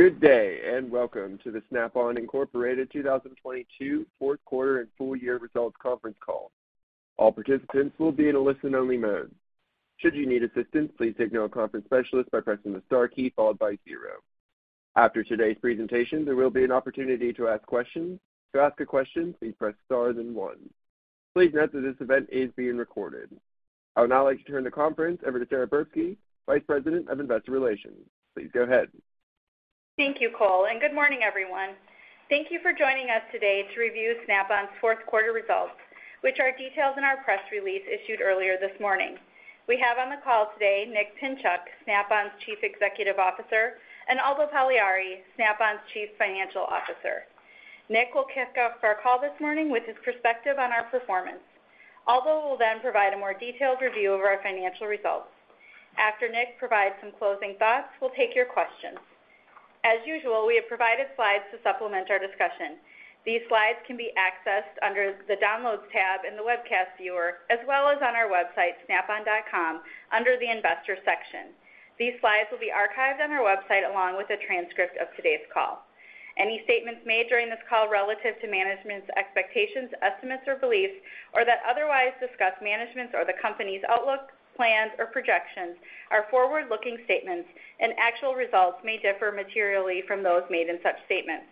Good day, and welcome to the Snap-on Incorporated 2022 fourth quarter and full year results conference call. All participants will be in a listen-only mode. Should you need assistance, please signal a conference specialist by pressing the star key followed by zero. After today's presentation, there will be an opportunity to ask questions. To ask a question, please press star then one. Please note that this event is being recorded. I would now like to turn the conference over to Sara Verbsky, Vice President of Investor Relations. Please go ahead. Thank you, Cole. Good morning, everyone. Thank you for joining us today to review Snap-on's fourth quarter results, which are detailed in our press release issued earlier this morning. We have on the call today Nick Pinchuk, Snap-on's Chief Executive Officer, and Aldo Pagliari, Snap-on's Chief Financial Officer. Nick will kick off our call this morning with his perspective on our performance. Aldo will provide a more detailed review of our financial results. After Nick provides some closing thoughts, we'll take your questions. As usual, we have provided slides to supplement our discussion. These slides can be accessed under the downloads tab in the webcast viewer, as well as on our website, snapon.com, under the Investors section. These slides will be archived on our website along with a transcript of today's call. Any statements made during this call relative to management's expectations, estimates, or beliefs or that otherwise discuss management's or the company's outlook, plans, or projections are forward-looking statements and actual results may differ materially from those made in such statements.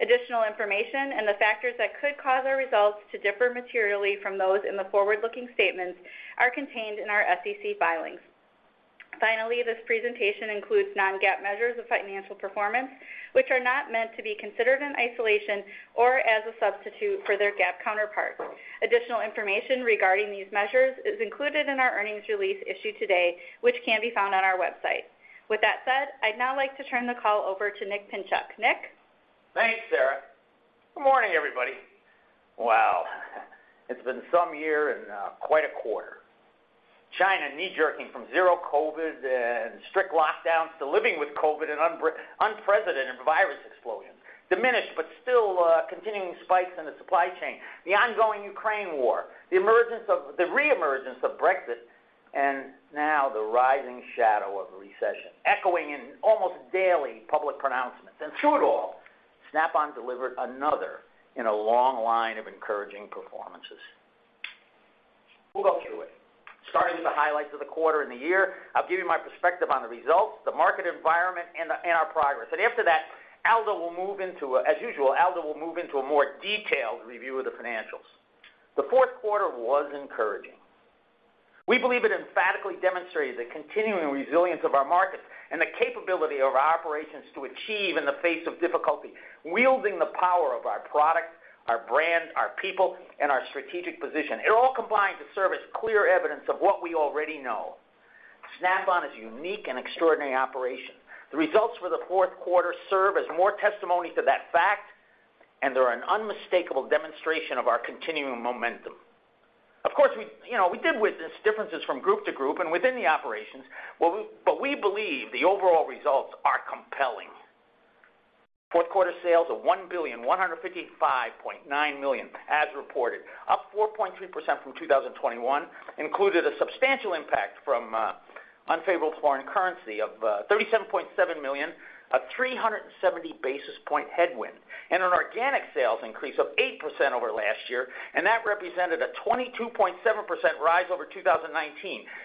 Additional information and the factors that could cause our results to differ materially from those in the forward-looking statements are contained in our SEC filings. Finally, this presentation includes non-GAAP measures of financial performance, which are not meant to be considered in isolation or as a substitute for their GAAP counterparts. Additional information regarding these measures is included in our earnings release issued today, which can be found on our website. With that said, I'd now like to turn the call over to Nick Pinchuk. Nick? Thanks, Sara. Good morning, everybody. Wow, it's been some year and quite a quarter. China knee-jerking from zero COVID and strict lockdowns to living with COVID and unprecedented virus explosions, diminished but still continuing spikes in the supply chain, the ongoing Ukraine war, the reemergence of Brexit, now the rising shadow of recession echoing in almost daily public pronouncements. Through it all, Snap-on delivered another in a long line of encouraging performances. We'll go through it starting with the highlights of the quarter and the year. I'll give you my perspective on the results, the market environment, and our progress. After that, Aldo will move into a more detailed review of the financials. The fourth quarter was encouraging. We believe it emphatically demonstrated the continuing resilience of our markets and the capability of our operations to achieve in the face of difficulty, wielding the power of our products, our brands, our people, and our strategic position. It all combined to serve as clear evidence of what we already know. Snap-on is a unique and extraordinary operation. The results for the fourth quarter serve as more testimony to that fact. They're an unmistakable demonstration of our continuing momentum. Of course, we, you know, we did witness differences from group to group and within the operations, but we believe the overall results are compelling. Fourth quarter sales of $1,155.9 million as reported, up 4.3% from 2021, included a substantial impact from unfavorable foreign currency of $37.7 million, a 370 basis point headwind, and an organic sales increase of 8% over last year, and that represented a 22.7% rise over 2019.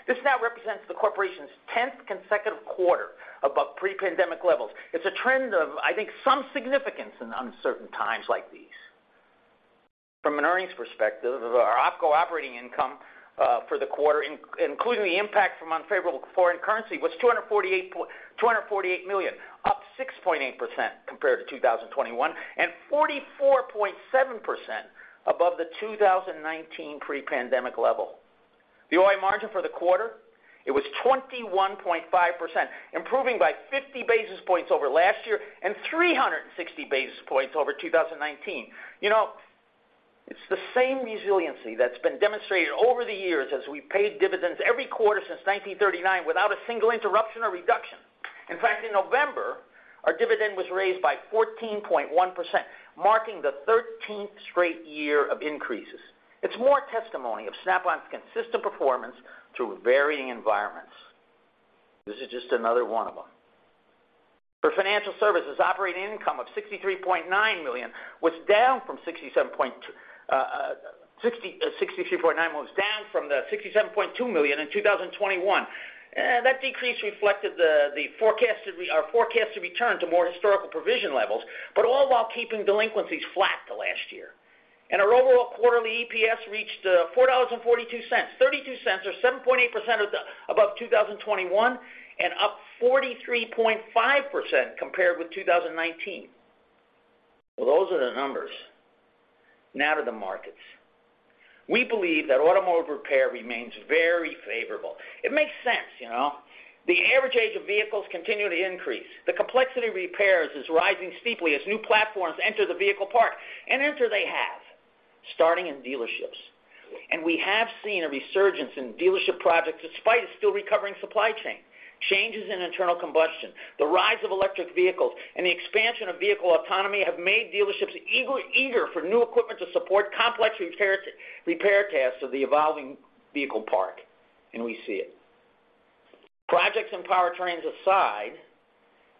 This now represents the corporation's 10th consecutive quarter above pre-pandemic levels. It's a trend of, I think, some significance in uncertain times like these. From an earnings perspective, our OpCo operating income, for the quarter including the impact from unfavorable foreign currency was $248 million, up 6.8% compared to 2021, and 44.7% above the 2019 pre-pandemic level. The OI margin for the quarter, it was 21.5%, improving by 50 basis points over last year and 360 basis points over 2019. You know, it's the same resiliency that's been demonstrated over the years as we paid dividends every quarter since 1939 without a single interruption or reduction. In fact, in November, our dividend was raised by 14.1%, marking the 13th straight year of increases. It's more testimony of Snap-on's consistent performance through varying environments. This is just another one of them. For financial services, operating income of $63.9 million was down from the $67.2 million in 2021. That decrease reflected the forecasted return to more historical provision levels, but all while keeping delinquencies flat to last year. Our overall quarterly EPS reached $4.42, $0.32 or 7.8% above 2021 and up 43.5% compared with 2019. Well, those are the numbers. Now to the markets. We believe that automotive repair remains very favorable. It makes sense, you know? The average age of vehicles continue to increase. The complexity of repairs is rising steeply as new platforms enter the vehicle park. Enter they have, starting in dealerships. We have seen a resurgence in dealership projects despite a still recovering supply chain. Changes in internal combustion, the rise of electric vehicles, and the expansion of vehicle autonomy have made dealerships eager for new equipment to support complex repair tasks of the evolving vehicle park, and we see it. Projects and powertrains aside,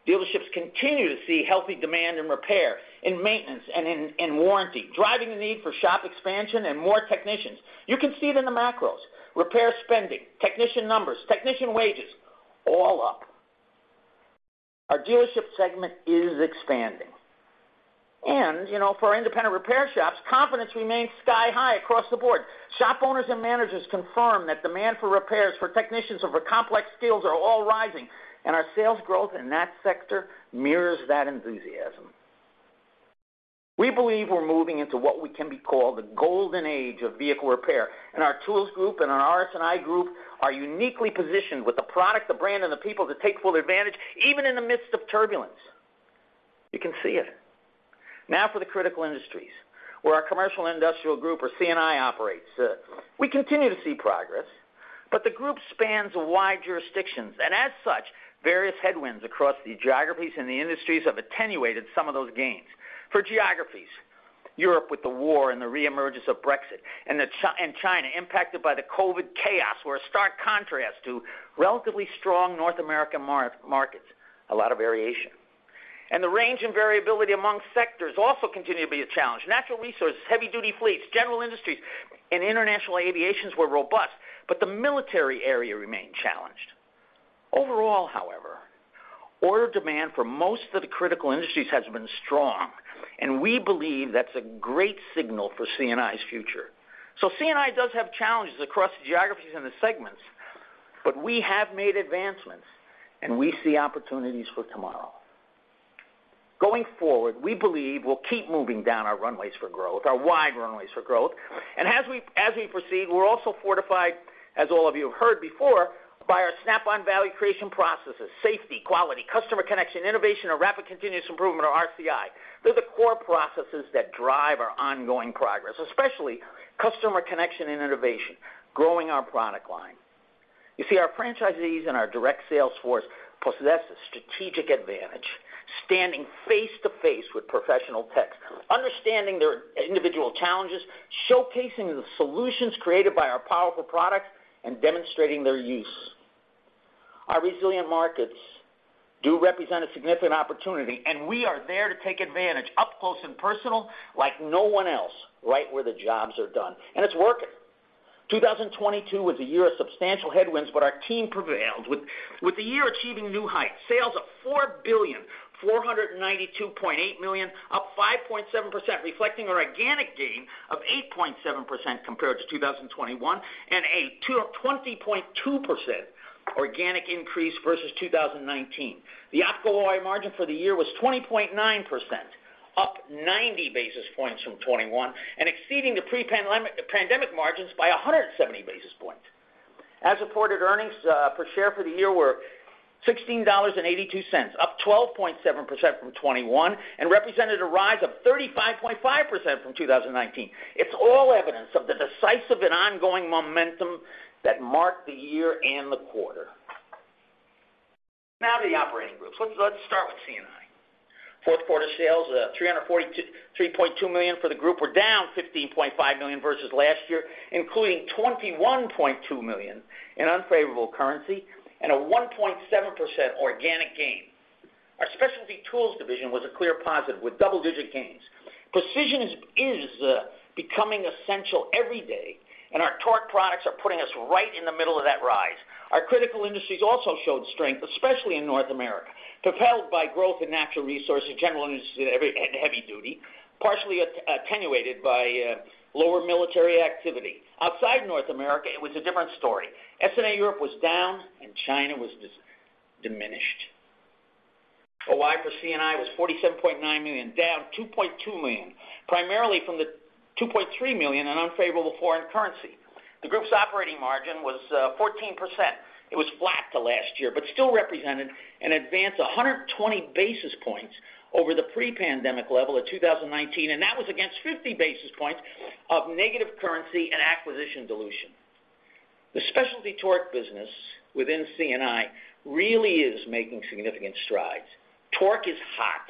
dealerships continue to see healthy demand in repair, in maintenance, and in warranty, driving the need for shop expansion and more technicians. You can see it in the macros. Repair spending, technician numbers, technician wages, all up. Our dealership segment is expanding. You know, for our independent repair shops, confidence remains sky-high across the board. Shop owners and managers confirm that demand for repairs for technicians over complex skills are all rising, and our sales growth in that sector mirrors that enthusiasm. We believe we're moving into what we can be called the golden age of vehicle repair, and our Tools group and our RS&I group are uniquely positioned with the product, the brand, and the people to take full advantage, even in the midst of turbulence. You can see it. Now for the critical industries, where our Commercial & Industrial group or C&I operates. We continue to see progress, but the group spans wide jurisdictions, and as such, various headwinds across the geographies and the industries have attenuated some of those gains. For geographies, Europe with the war and the reemergence of Brexit, and China impacted by the COVID chaos were a stark contrast to relatively strong North American markets. A lot of variation. The range and variability among sectors also continue to be a challenge. Natural resources, heavy-duty fleets, general industries, and international aviations were robust, but the military area remained challenged. Overall, however, order demand for most of the critical industries has been strong, and we believe that's a great signal for C&I's future. C&I does have challenges across the geographies and the segments, but we have made advancements, and we see opportunities for tomorrow. Going forward, we believe we'll keep moving down our runways for growth, our wide runways for growth. As we proceed, we're also fortified, as all of you have heard before, by our Snap-on Value Creation processes: safety, quality, Customer Connection, innovation, and rapid continuous improvement or RCI. They're the core processes that drive our ongoing progress, especially Customer Connection and innovation, growing our product line. You see, our franchisees and our direct sales force possess a strategic advantage, standing face-to-face with professional techs, understanding their individual challenges, showcasing the solutions created by our powerful products, and demonstrating their use. Our resilient markets do represent a significant opportunity, we are there to take advantage up close and personal like no one else, right where the jobs are done, it's working. 2022 was a year of substantial headwinds, our team prevailed, with the year achieving new heights. Sales of $4,492.8 million, up 5.7%, reflecting our organic gain of 8.7% compared to 2021, and a 20.2% organic increase versus 2019. The opera margin for the year was 20.9%, up 90 basis points from 2021, exceeding the pre-pandemic margins by 170 basis points. As reported earnings per share for the year were $16.82, up 12.7% from 2021, represented a rise of 35.5% from 2019. It's all evidence of the decisive and ongoing momentum that marked the year and the quarter. To the operating groups. Let's start with C&I. Fourth quarter sales, $343.2 million for the group were down $15.5 million versus last year, including $21.2 million in unfavorable currency and a 1.7% organic gain. Our specialty tools division was a clear positive with double-digit gains. Precision is becoming essential every day, our torque products are putting us right in the middle of that rise. Our critical industries also showed strength, especially in North America, propelled by growth in natural resources, general industries, and heavy duty, partially attenuated by lower military activity. Outside North America, it was a different story. SNA Europe was down and China was diminished. OI for C&I was $47.9 million, down $2.2 million, primarily from the $2.3 million in unfavorable foreign currency. The group's operating margin was 14%. It was flat to last year, still represented an advance 120 basis points over the pre-pandemic level of 2019, that was against 50 basis points of negative currency and acquisition dilution. The specialty torque business within C&I really is making significant strides. Torque is hot.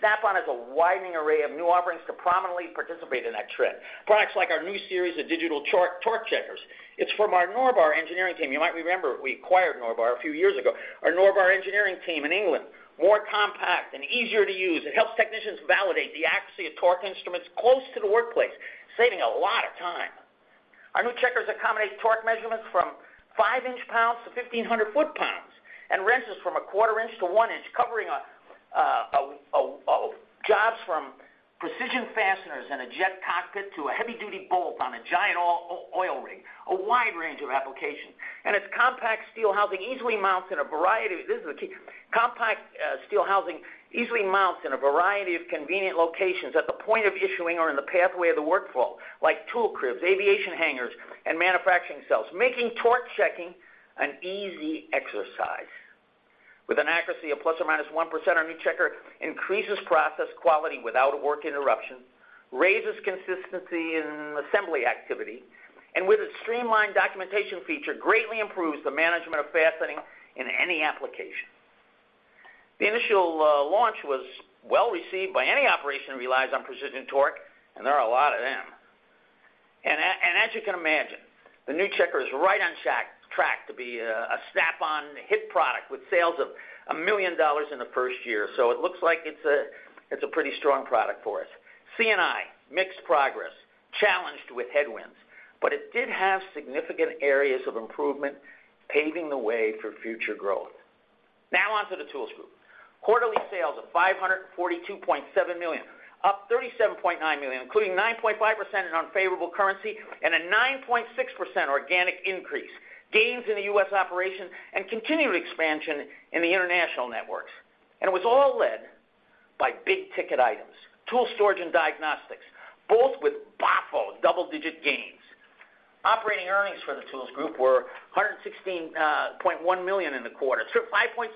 Snap-on has a widening array of new offerings to prominently participate in that trend. Products like our new series of Digital Torque Checkers. It's from our Norbar engineering team. You might remember we acquired Norbar a few years ago. Our Norbar engineering team in England, more compact and easier to use. It helps technicians validate the accuracy of torque instruments close to the workplace, saving a lot of time. Our new checkers accommodate torque measurements from 5 in lb to 1,500 ft lb and wrenches from a quarter inch to 1 in, covering a jobs from precision fasteners in a jet cockpit to a heavy-duty bolt on a giant oil rig, a wide range of applications. Its compact steel housing easily mounts in a variety... This is the key. Compact steel housing easily mounts in a variety of convenient locations at the point of issuing or in the pathway of the workflow, like tool cribs, aviation hangars, and manufacturing cells, making torque checking an easy exercise. With an accuracy of ±1%, our new checker increases process quality without work interruption, raises consistency in assembly activity, and with its streamlined documentation feature, greatly improves the management of fastening in any application. The initial launch was well received by any operation that relies on precision torque, and there are a lot of them. As you can imagine, the new checker is right on track to be a Snap-on hit product with sales of $1 million in the first year. It looks like it's a pretty strong product for us. C&I, mixed progress, challenged with headwinds. It did have significant areas of improvement, paving the way for future growth. Now on to the Tools group. Quarterly sales of $542.7 million, up $37.9 million, including 9.5% in unfavorable currency and a 9.6% organic increase, gains in the U.S. operation and continued expansion in the international networks. It was all led by big-ticket items, tool storage and diagnostics, both with boffo double-digit gains. Operating earnings for the Tools group were $116.1 million in the quarter, through $5.6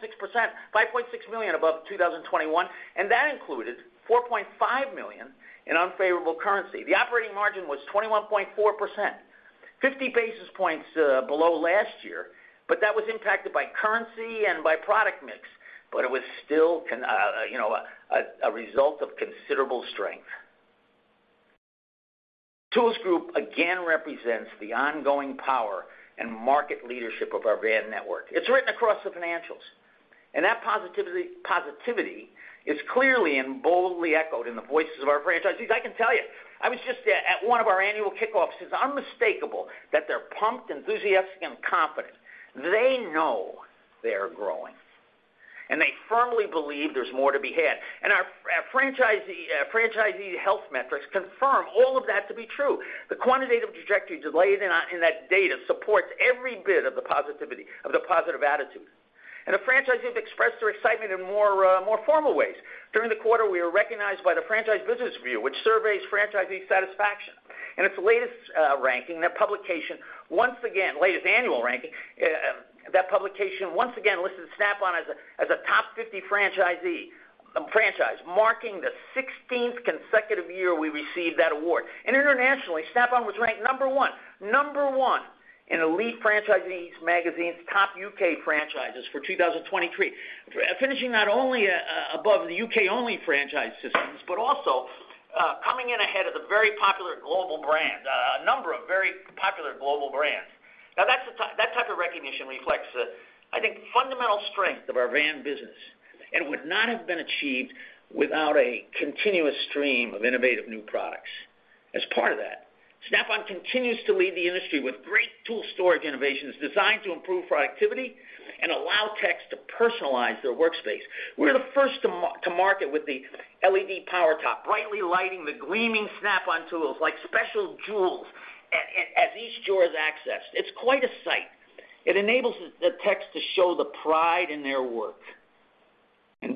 million above 2021, that included $4.5 million in unfavorable currency. The operating margin was 21.4%, 50 basis points below last year, that was impacted by currency and by product mix. It was still, you know, a result of considerable strength. Tools group again represents the ongoing power and market leadership of our van network. It's written across the financials. That positivity is clearly and boldly echoed in the voices of our franchisees. I can tell you, I was just at one of our annual kickoffs. It's unmistakable that they're pumped, enthusiastic, and confident. They know they're growing, and they firmly believe there's more to be had. Our franchisee health metrics confirm all of that to be true. The quantitative trajectory delayed in that data supports every bit of the positive attitude. The franchisees expressed their excitement in more formal ways. During the quarter, we were recognized by the Franchise Business Review, which surveys franchisee satisfaction. In its latest ranking, that publication once again listed Snap-on as a top 50 franchise, marking the 16th consecutive year we received that award. Internationally, Snap-on was ranked number one in Elite Franchise Magazine's top U.K. franchises for 2023, finishing not only above the U.K.-only franchise systems, but also coming in ahead of a number of very popular global brands. That type of recognition reflects the, I think, fundamental strength of our van business and would not have been achieved without a continuous stream of innovative new products. As part of that, Snap-on continues to lead the industry with great tool storage innovations designed to improve productivity and allow techs to personalize their workspace. We're the first to market with the LED PowerTop, brightly lighting the gleaming Snap-on Tools like special jewels as each drawer is accessed. It's quite a sight. It enables the techs to show the pride in their work.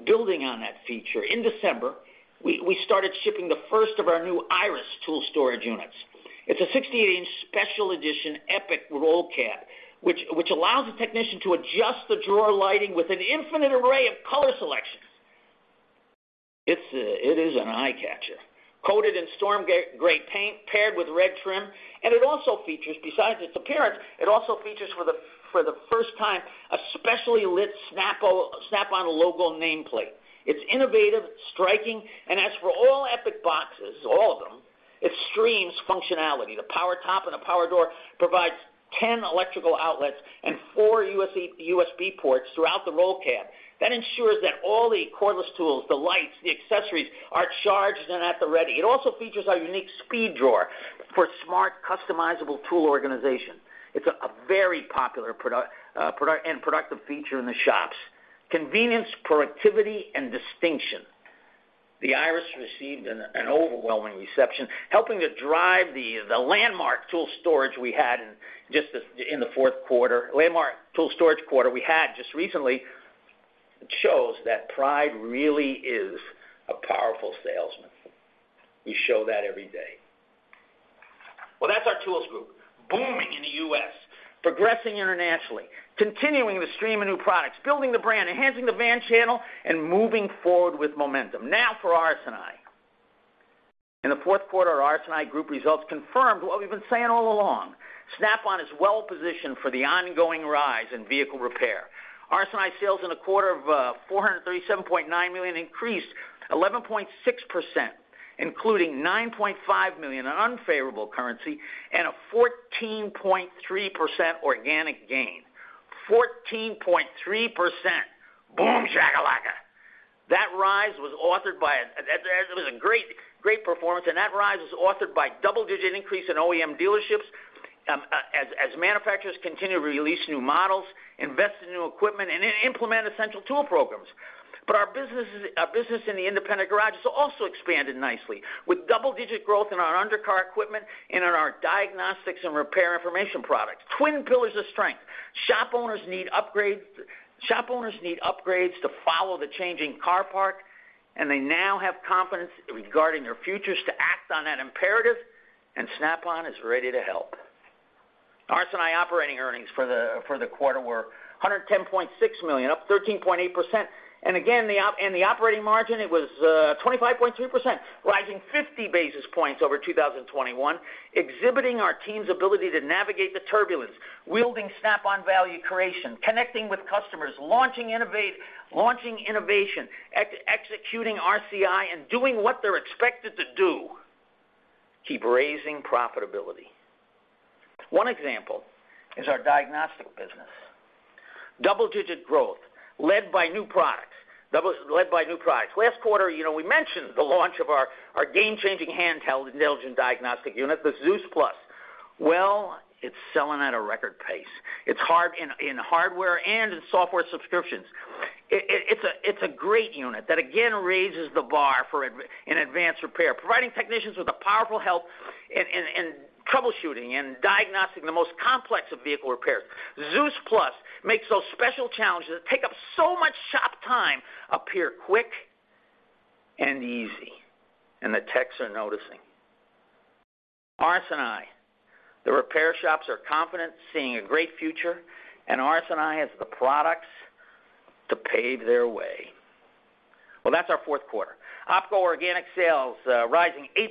Building on that feature, in December, we started shipping the first of our new IRIS tool storage units. It's a 68 in special edition EPIQ roll cab, which allows the technician to adjust the drawer lighting with an infinite array of color selections. It is an eye-catcher. Coated in Storm Gray paint paired with red trim, it also features, besides its appearance, it also features for the first time a specially lit Snap-on logo nameplate. It's innovative, striking, and as for all EPIQ boxes, all of them, it streams functionality. The PowerTop and the power door provides 10 electrical outlets and four USB ports throughout the roll cab. That ensures that all the cordless tools, the lights, the accessories are charged and at the ready. It also features our unique SpeeDrawer for smart, customizable tool organization. It's a very popular and productive feature in the shops. Convenience, productivity, and distinction. The IRIS received an overwhelming reception, helping to drive the landmark tool storage we had in the fourth quarter, landmark tool storage quarter we had just recently. It shows that pride really is a powerful salesman. We show that every day. That's our Tools group, booming in the U.S., progressing internationally, continuing to stream in new products, building the brand, enhancing the van channel, and moving forward with momentum. For RS&I. In the fourth quarter, our RS&I group results confirmed what we've been saying all along. Snap-on is well positioned for the ongoing rise in vehicle repair. RS&I sales in the quarter of $437.9 million increased 11.6%, including $9.5 million in unfavorable currency and a 14.3% organic gain. 14.3%. Boom shakalaka! That rise was authored as it was a great performance, and that rise was authored by double-digit increase in OEM dealerships, as manufacturers continue to release new models, invest in new equipment, and implement essential tool programs. Our business in the independent garages also expanded nicely with double-digit growth in our undercar equipment and in our diagnostics and repair information products. Twin pillars of strength. Shop owners need upgrades to follow the changing car park. They now have confidence regarding their futures to act on that imperative. Snap-on is ready to help. RS&I operating earnings for the quarter were $110.6 million, up 13.8%. Again, the operating margin was 25.3%, rising 50 basis points over 2021, exhibiting our team's ability to navigate the turbulence, wielding Snap-on Value Creation, connecting with customers, launching innovation, executing RCI, doing what they're expected to do. Keep raising profitability. One example is our diagnostic business. Double-digit growth led by new products. Led by new products. Last quarter, you know, we mentioned the launch of our game-changing handheld intelligent diagnostic unit, the ZEUS+. It's selling at a record pace. In hardware and in software subscriptions. It's a great unit that, again, raises the bar for advanced repair, providing technicians with a powerful help in troubleshooting and diagnosing the most complex of vehicle repairs. ZEUS+ makes those special challenges that take up so much shop time appear quick and easy, and the techs are noticing. RS&I, the repair shops are confident seeing a great future. RS&I has the products to pave their way. That's our fourth quarter. OpCo organic sales rising 8%,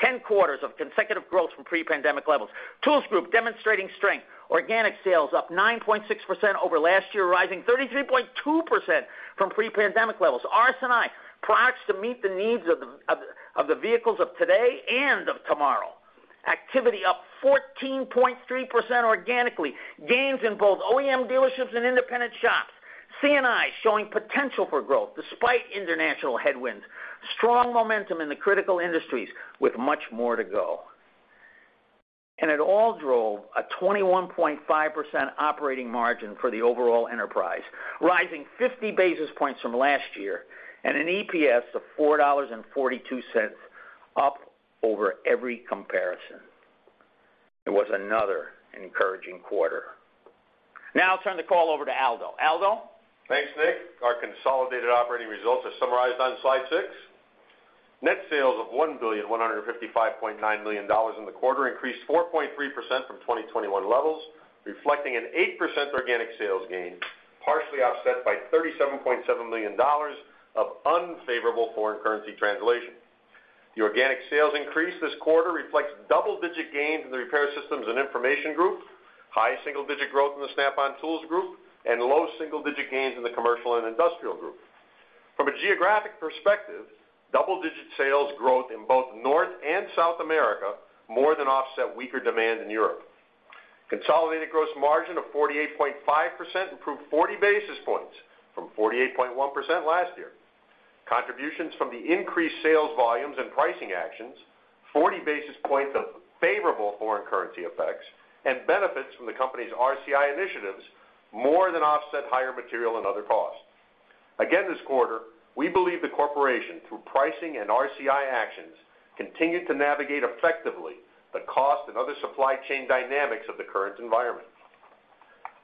10 quarters of consecutive growth from pre-pandemic levels. Tools group demonstrating strength. Organic sales up 9.6% over last year, rising 33.2% from pre-pandemic levels. RS&I, products to meet the needs of the vehicles of today and of tomorrow. Activity up 14.3% organically. Gains in both OEM dealerships and independent shops. C&I showing potential for growth despite international headwinds. Strong momentum in the critical industries with much more to go. It all drove a 21.5% operating margin for the overall enterprise, rising 50 basis points from last year, and an EPS of $4.42, up over every comparison. It was another encouraging quarter. Now I'll turn the call over to Aldo. Aldo? Thanks, Nick. Our consolidated operating results are summarized on slide six. Net sales of $1,155.9 million in the quarter increased 4.3% from 2021 levels, reflecting an 8% organic sales gain, partially offset by $37.7 million of unfavorable foreign currency translation. The organic sales increase this quarter reflects double-digit gains in the Repair Systems & Information group, high single-digit growth in the Snap-on Tools group, and low single-digit gains in the Commercial & Industrial group. From a geographic perspective, double-digit sales growth in both North and South America more than offset weaker demand in Europe. Consolidated gross margin of 48.5% improved 40 basis points from 48.1% last year. Contributions from the increased sales volumes and pricing actions, 40 basis points of favorable foreign currency effects, and benefits from the company's RCI initiatives more than offset higher material and other costs. Again, this quarter, we believe the corporation, through pricing and RCI actions, continued to navigate effectively the cost and other supply chain dynamics of the current environment.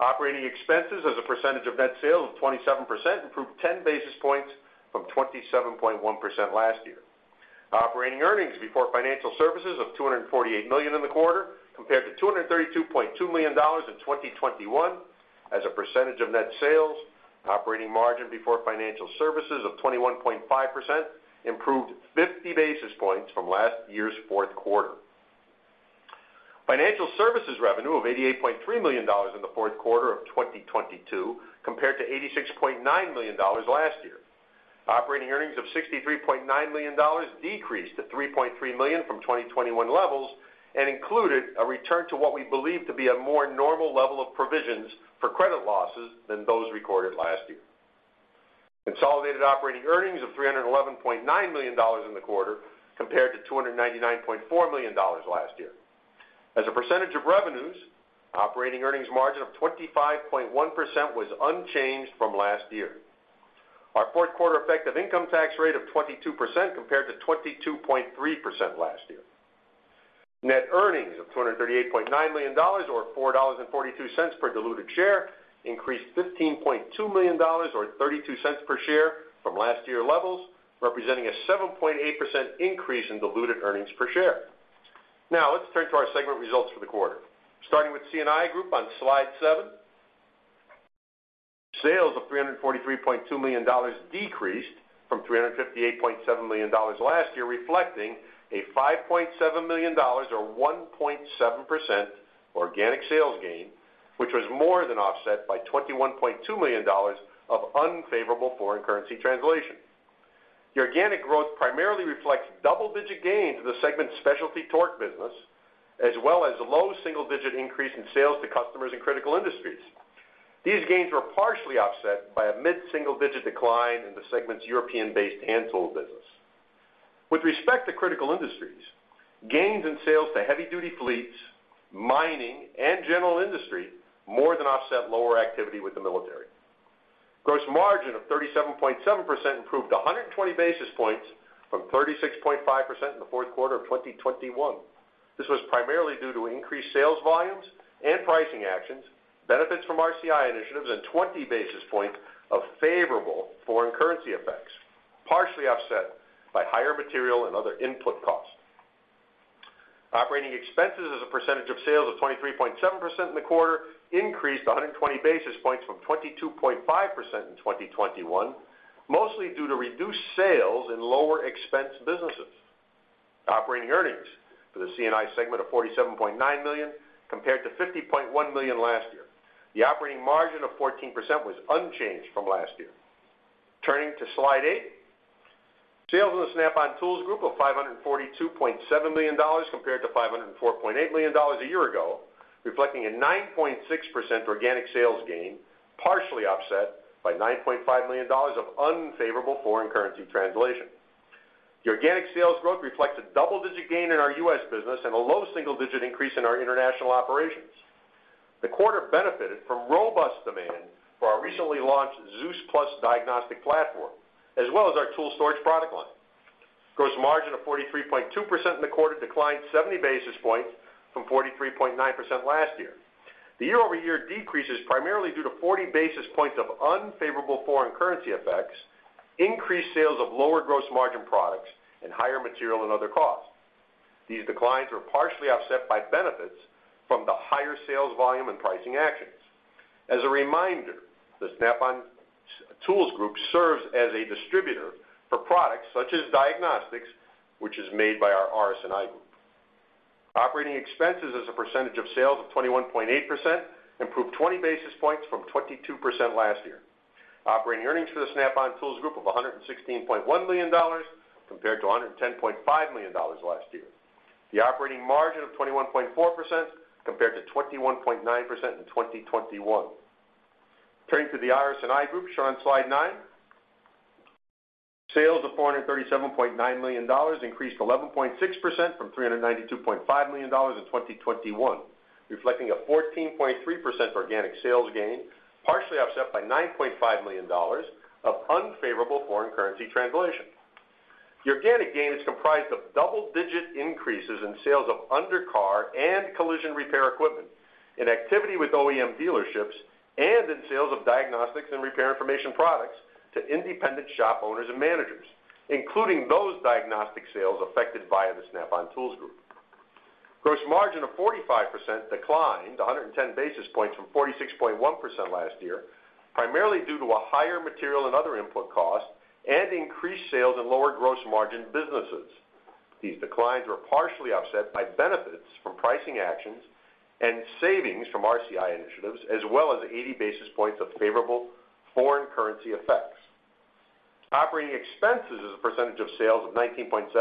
Operating expenses as a percentage of net sales of 27% improved 10 basis points from 27.1% last year. Operating earnings before financial services of $248 million in the quarter, compared to $232.2 million in 2021. As a percentage of net sales, operating margin before financial services of 21.5% improved 50 basis points from last year's fourth quarter. Financial services revenue of $88.3 million in the fourth quarter of 2022 compared to $86.9 million last year. Operating earnings of $63.9 million decreased to $3.3 million from 2021 levels and included a return to what we believe to be a more normal level of provisions for credit losses than those recorded last year. Consolidated operating earnings of $311.9 million in the quarter compared to $299.4 million last year. As a percentage of revenues, operating earnings margin of 25.1% was unchanged from last year. Our fourth quarter effective income tax rate of 22% compared to 22.3% last year. Net earnings of $238.9 million or $4.42 per diluted share increased $15.2 million or $0.32 per share from last year levels, representing a 7.8% increase in diluted earnings per share. Let's turn to our segment results for the quarter. Starting with C&I group on slide seven. Sales of $343.2 million decreased from $358.7 million last year, reflecting a $5.7 million or 1.7% organic sales gain, which was more than offset by $21.2 million of unfavorable foreign currency translation. The organic growth primarily reflects double-digit gains in the segment's specialty torque business, as well as a low double-digit increase in sales to customers in critical industries. These gains were partially offset by a mid-single-digit decline in the segment's European-based hand tool business. With respect to critical industries, gains in sales to heavy-duty fleets, mining, and general industry more than offset lower activity with the military. Gross margin of 37.7% improved 120 basis points from 36.5% in the fourth quarter of 2021. This was primarily due to increased sales volumes and pricing actions, benefits from RCI initiatives, and 20 basis points of favorable foreign currency effects, partially offset by higher material and other input costs. Operating expenses as a percentage of sales of 23.7% in the quarter increased 120 basis points from 22.5% in 2021, mostly due to reduced sales in lower expense businesses. Operating earnings for the C&I segment of $47.9 million compared to $50.1 million last year. The operating margin of 14% was unchanged from last year. Slide eight. Sales in the Snap-on Tools group of $542.7 million compared to $504.8 million a year ago, reflecting a 9.6% organic sales gain, partially offset by $9.5 million of unfavorable foreign currency translation. The organic sales growth reflects a double-digit gain in our U.S. business and a low single-digit increase in our international operations. The quarter benefited from robust demand for our recently launched ZEUS+ diagnostic platform, as well as our tool storage product line. Gross margin of 43.2% in the quarter declined 70 basis points from 43.9% last year. The year-over-year decrease is primarily due to 40 basis points of unfavorable foreign currency effects, increased sales of lower gross margin products, and higher material and other costs. These declines were partially offset by benefits from the higher sales volume and pricing actions. As a reminder, the Snap-on Tools group serves as a distributor for products such as diagnostics, which is made by our RS&I group. Operating expenses as a percentage of sales of 21.8% improved 20 basis points from 22% last year. Operating earnings for the Snap-on Tools group of $116.1 million compared to $110.5 million last year. The operating margin of 21.4% compared to 21.9% in 2021. Turning to the RS&I group shown on slide nine. Sales of $437.9 million increased 11.6% from $392.5 million in 2021, reflecting a 14.3% organic sales gain, partially offset by $9.5 million of unfavorable foreign currency translation. The organic gain is comprised of double-digit increases in sales of under car and collision repair equipment in activity with OEM dealerships and in sales of diagnostics and repair information products to independent shop owners and managers, including those diagnostic sales affected via the Snap-on Tools group. Gross margin of 45% declined 110 basis points from 46.1% last year, primarily due to a higher material and other input costs and increased sales in lower gross margin businesses. These declines were partially offset by benefits from pricing actions and savings from RCI initiatives, as well as 80 basis points of favorable foreign currency effects. Operating expenses as a percentage of sales of 19.7%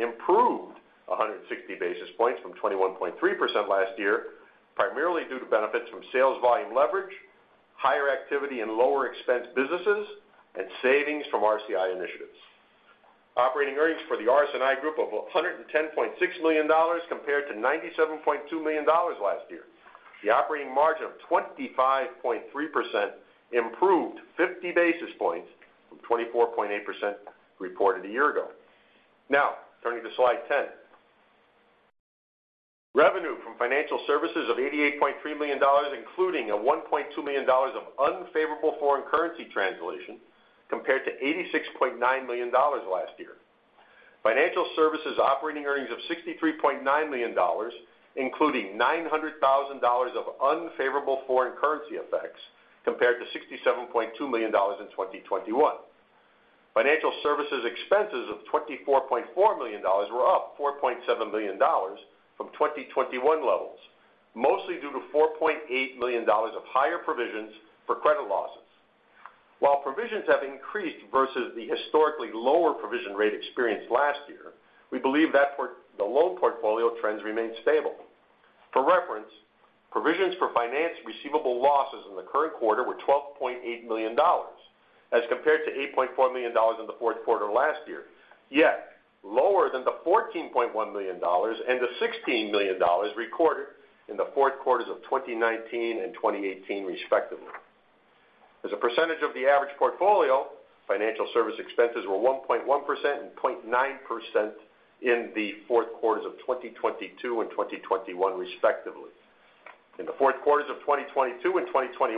improved 160 basis points from 21.3% last year, primarily due to benefits from sales volume leverage, higher activity in lower expense businesses, and savings from RCI initiatives. Operating earnings for the RS&I group of $110.6 million compared to $97.2 million last year. The operating margin of 25.3% improved 50 basis points from 24.8% reported a year ago. Turning to slide 10. Revenue from financial services of $88.3 million, including a $1.2 million of unfavorable foreign currency translation compared to $86.9 million last year. Financial services operating earnings of $63.9 million, including $900,000 of unfavorable foreign currency effects compared to $67.2 million in 2021. Financial services expenses of $24.4 million were up $4.7 million from 2021 levels, mostly due to $4.8 million of higher provisions for credit losses. While provisions have increased versus the historically lower provision rate experienced last year, we believe that the loan portfolio trends remain stable. For reference, provisions for finance receivable losses in the current quarter were $12.8 million as compared to $8.4 million in the fourth quarter last year, yet lower than the $14.1 million and the $16 million recorded in the fourth quarters of 2019 and 2018, respectively. As a percentage of the average portfolio, financial service expenses were 1.1% and 0.9% in the fourth quarters of 2022 and 2021, respectively. In the fourth quarters of 2022 and 2021,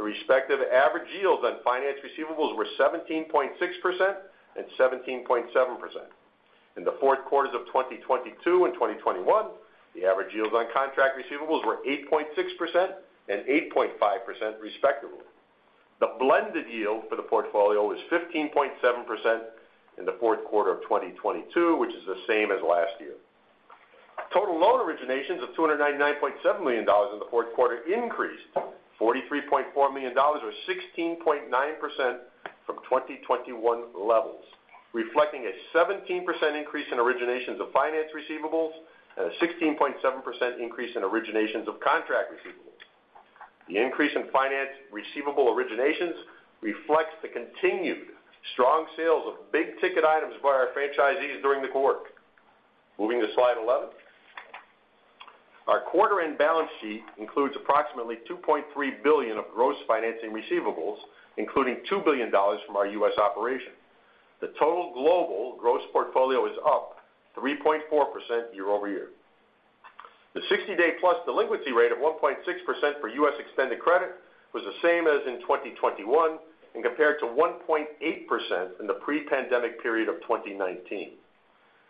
the respective average yields on finance receivables were 17.6% and 17.7%. In the fourth quarters of 2022 and 2021, the average yields on contract receivables were 8.6% and 8.5%, respectively. The blended yield for the portfolio is 15.7% in Q4 of 2022, which is the same as last year. Total loan originations of $299.7 million in Q4 increased $43.4 million or 16.9% from 2021 levels, reflecting a 17% increase in originations of finance receivables and a 16.7% increase in originations of contract receivables. The increase in finance receivable originations reflects the continued strong sales of big-ticket items by our franchisees during the quarter. Moving to slide 11. Our quarter-end balance sheet includes approximately $2.3 billion of gross financing receivables, including $2 billion from our U.S. operation. The total global gross portfolio is up 3.4% year-over-year. The 60-day-plus delinquency rate of 1.6% for U.S. extended credit was the same as in 2021 and compared to 1.8% in the pre-pandemic period of 2019.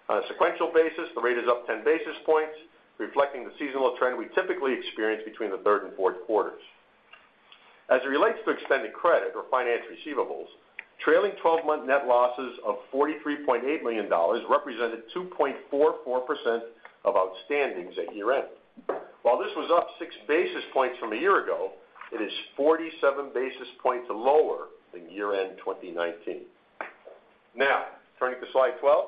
On a sequential basis, the rate is up 10 basis points, reflecting the seasonal trend we typically experience between the third and fourth quarters. As it relates to extended credit or finance receivables. Trailing twelve-month net losses of $43.8 million represented 2.44% of outstandings at year-end. While this was up six basis points from a year ago, it is 47 basis points lower than year-end 2019. Now turning to slide 12.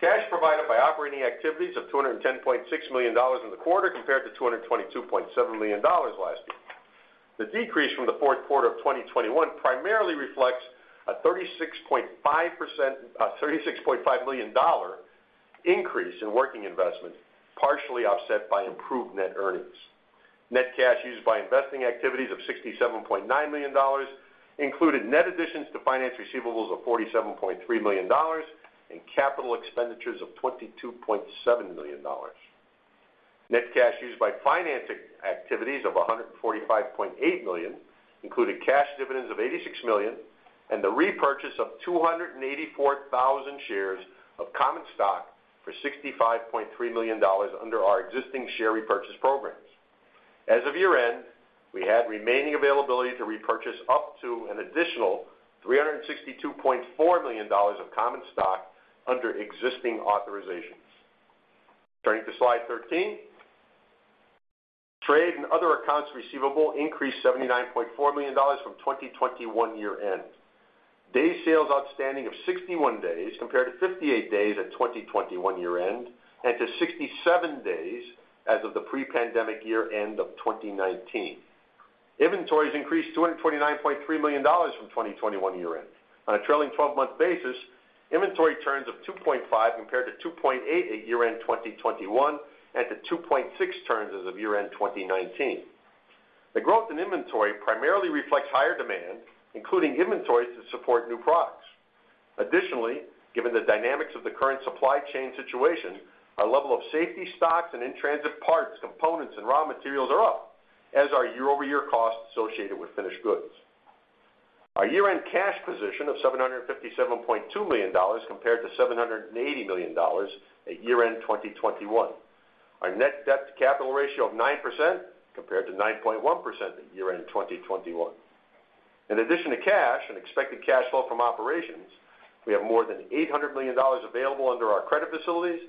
Cash provided by operating activities of $210.6 million in the quarter compared to $222.7 million last year. The decrease from the fourth quarter of 2021 primarily reflects a $36.5 million increase in working investment, partially offset by improved net earnings. Net cash used by investing activities of $67.9 million included net additions to finance receivables of $47.3 million and capital expenditures of $22.7 million. Net cash used by finance activities of $145.8 million, including cash dividends of $86 million, and the repurchase of 284,000 shares of common stock for $65.3 million under our existing share repurchase programs. As of year-end, we had remaining availability to repurchase up to an additional $362.4 million of common stock under existing authorizations. Turning to slide 13. Trade and other accounts receivable increased $79.4 million from 2021 year-end. Day sales outstanding of 61 days compared to 58 days at 2021 year-end, and to 67 days as of the pre-pandemic year-end of 2019. Inventories increased $229.3 million from 2021 year-end. On a trailing 12-month basis, inventory turns of 2.5 compared to 2.8 at year-end 2021 and to 2.6 turns as of year-end 2019. The growth in inventory primarily reflects higher demand, including inventories to support new products. Additionally, given the dynamics of the current supply chain situation, our level of safety stocks and in-transit parts, components, and raw materials are up as our year-over-year costs associated with finished goods. Our year-end cash position of $757.2 million compared to $780 million at year-end 2021. Our net debt to capital ratio of 9% compared to 9.1% at year-end 2021. In addition to cash and expected cash flow from operations, we have more than $800 million available under our credit facilities.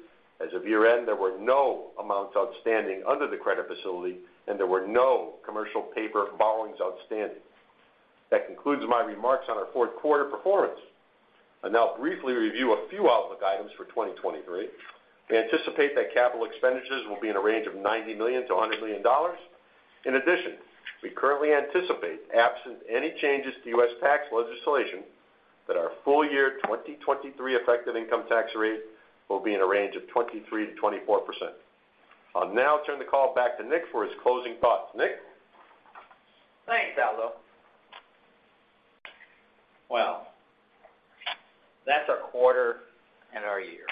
As of year-end, there were no amounts outstanding under the credit facility, there were no commercial paper borrowings outstanding. That concludes my remarks on our fourth quarter performance. I'll now briefly review a few outlook items for 2023. We anticipate that capital expenditures will be in a range of $90 million-$100 million. In addition, we currently anticipate, absent any changes to U.S. tax legislation, that our full year 2023 effective income tax rate will be in a range of 23%-24%. I'll now turn the call back to Nick for his closing thoughts. Nick? Thanks, Aldo. Well, that's our quarter and our year.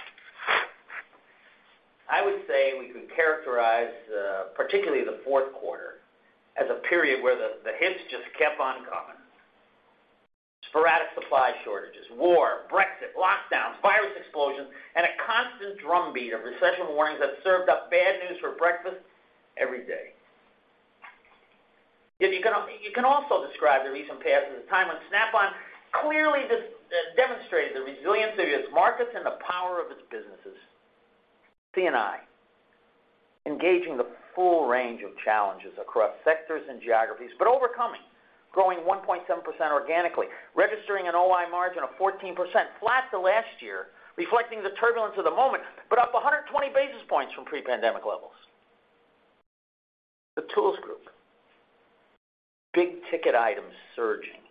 I would say we can characterize particularly the fourth quarter as a period where the hits just kept on coming. Sporadic supply shortages, war, Brexit, lockdowns, virus explosions, and a constant drumbeat of recession warnings that served up bad news for breakfast every day. You can also describe the recent past as a time when Snap-on clearly demonstrated the resilience of its markets and the power of its businesses. C&I engaging the full range of challenges across sectors and geographies, but overcoming, growing 1.7% organically, registering an OI margin of 14%, flat to last year, reflecting the turbulence of the moment, but up 120 basis points from pre-pandemic levels. The Tools group, big-ticket items surging.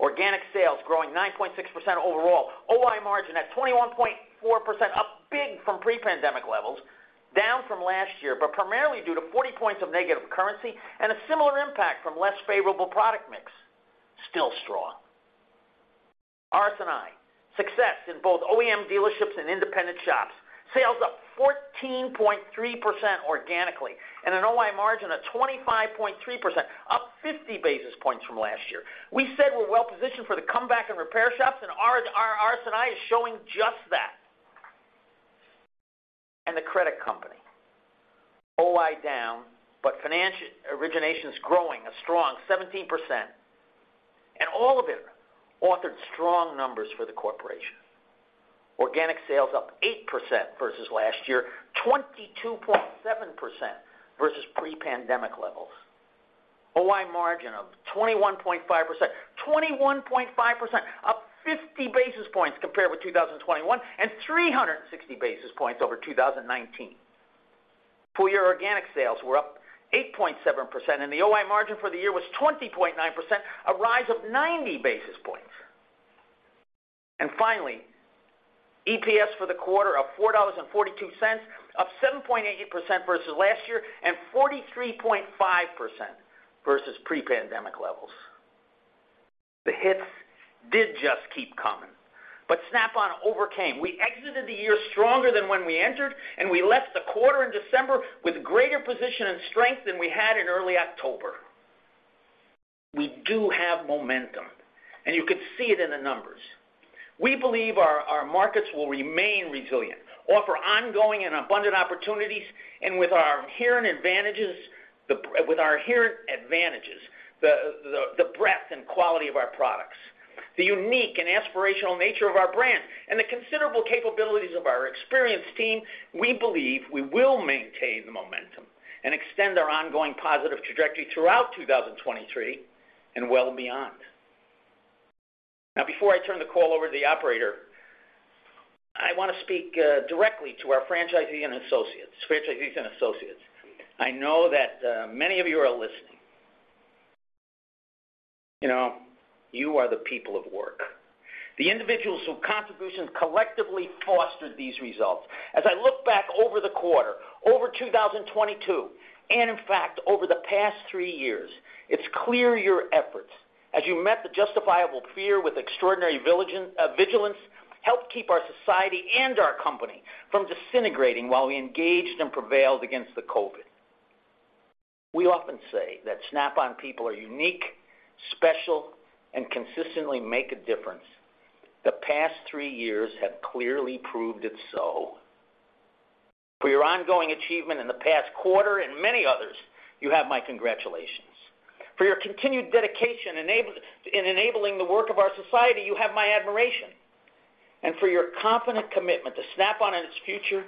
Organic sales growing 9.6% overall. OI margin at 21.4%, up big from pre-pandemic levels, down from last year, but primarily due to 40 points of negative currency and a similar impact from less favorable product mix. Still strong. RS&I, success in both OEM dealerships and independent shops. Sales up 14.3% organically and an OI margin of 25.3%, up 50 basis points from last year. We said we're well-positioned for the comeback in repair shops and RS&I is showing just that. The credit company, OI down, but origination's growing a strong 17%. All of it authored strong numbers for the corporation. Organic sales up 8% versus last year, 22.7% versus pre-pandemic levels. OI margin of 21.5%. 21.5%, up 50 basis points compared with 2021 and 360 basis points over 2019. Full year organic sales were up 8.7%, and the OI margin for the year was 20.9%, a rise of 90 basis points. EPS for the quarter up $4.42, up 7.8% versus last year, and 43.5% versus pre-pandemic levels. The hits did just keep coming, Snap-on overcame. We exited the year stronger than when we entered, we left the quarter in December with greater position and strength than we had in early October. We do have momentum, and you can see it in the numbers. We believe our markets will remain resilient, offer ongoing and abundant opportunities, and with our inherent advantages, the breadth and quality of our products, the unique and aspirational nature of our brand, and the considerable capabilities of our experienced team, we believe we will maintain the momentum and extend our ongoing positive trajectory throughout 2023 and well beyond. Now, before I turn the call over to the operator, I wanna speak directly to our franchisees and associates. I know that many of you are listening. You know, you are the people of work, the individuals whose contributions collectively fostered these results. As I look back over the quarter, over 2022, and in fact, over the past three years, it's clear your efforts, as you met the justifiable fear with extraordinary vigilance, helped keep our society and our company from disintegrating while we engaged and prevailed against the COVID. We often say that Snap-on people are unique, special, and consistently make a difference. The past three years have clearly proved it so. For your ongoing achievement in the past quarter and many others, you have my congratulations. For your continued dedication in enabling the work of our society, you have my admiration. For your confident commitment to Snap-on and its future,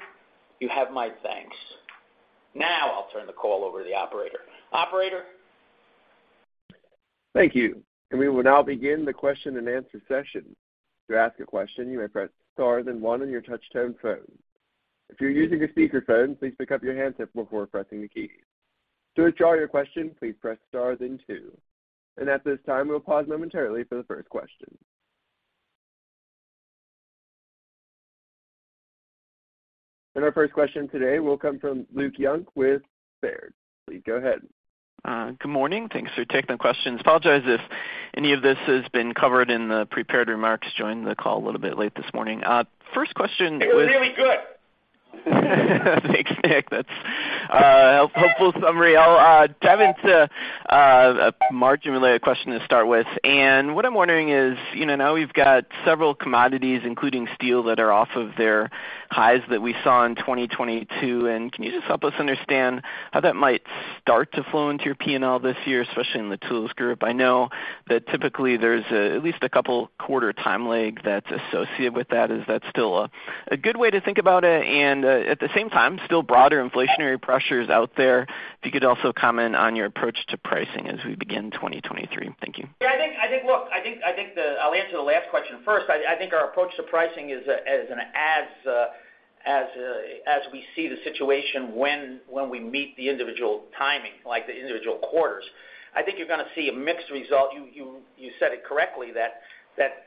you have my thanks. I'll turn the call over to the operator. Operator? Thank you. We will now begin the question-and-answer session. To ask a question, you may press star then one on your touchtone phone. If you're using a speakerphone, please pick up your handset before pressing the key. To withdraw your question, please press star then two. At this time, we'll pause momentarily for the first question. Our first question today will come from Luke Junk with Baird. Please go ahead. Good morning. Thanks for taking the questions. Apologize if any of this has been covered in the prepared remarks. Joined the call a little bit late this morning. First question was. It was really good. Thanks, Nick. That's a helpful summary. I'll dive into a margin-related question to start with. What I'm wondering is, you know, now we've got several commodities, including steel, that are off of their highs that we saw in 2022. Can you just help us understand how that might start to flow into your P&L this year, especially in the Tools group? I know that typically there's at least a couple quarter time lag that's associated with that. Is that still a good way to think about it? At the same time, still broader inflationary pressures out there. If you could also comment on your approach to pricing as we begin 2023. Thank you. Yeah, I think. Well, I'll answer the last question first. I think our approach to pricing is an as as as we see the situation when we meet the individual timing, like the individual quarters. I think you're gonna see a mixed result. You said it correctly that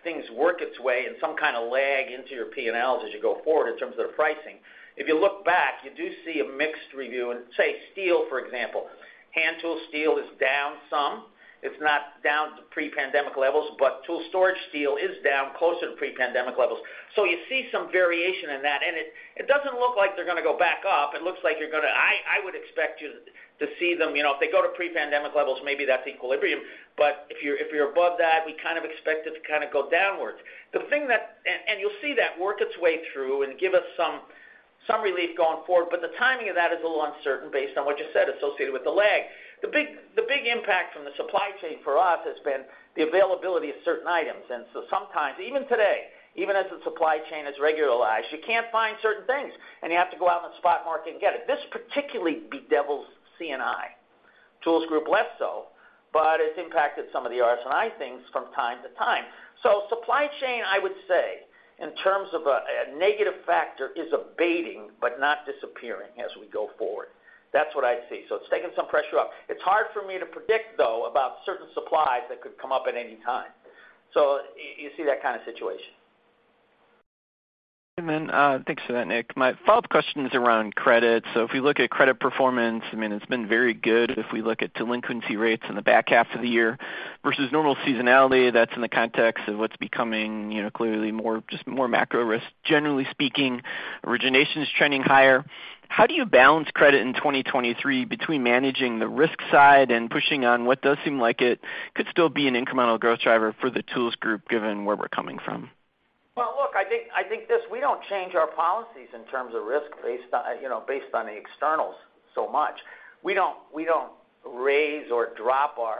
things work its way and some kinda lag into your P&Ls as you go forward in terms of the pricing. If you look back, you do see a mixed review in, say, steel, for example. Hand tool steel is down some. It's not down to pre-pandemic levels, but tool storage steel is down closer to pre-pandemic levels. You see some variation in that, and it doesn't look like they're gonna go back up. It looks like you're gonna...I would expect you to see them... You know, if they go to pre-pandemic levels, maybe that's equilibrium. But if you're above that, we kind of expect it to kind of go downwards. You'll see that work its way through and give us some relief going forward, but the timing of that is a little uncertain based on what you said associated with the lag. The big impact from the supply chain for us has been the availability of certain items. Sometimes, even today, even as the supply chain is regularized, you can't find certain things, and you have to go out in the spot market and get it. This particularly bedevils C&I. Tools group less so, but it's impacted some of the RS&I things from time to time. Supply chain, I would say, in terms of a negative factor, is abating but not disappearing as we go forward. That's what I'd see. It's taking some pressure off. It's hard for me to predict, though, about certain supplies that could come up at any time. You see that kind of situation. Thanks for that, Nick. My follow-up question is around credit. If we look at credit performance, I mean, it's been very good if we look at delinquency rates in the back half of the year versus normal seasonality. That's in the context of what's becoming, you know, clearly more, just more macro risk. Generally speaking, origination is trending higher. How do you balance credit in 2023 between managing the risk side and pushing on what does seem like it could still be an incremental growth driver for the Tools group given where we're coming from? Well, look, I think this, we don't change our policies in terms of risk based on, you know, based on the externals so much. We don't raise or drop our,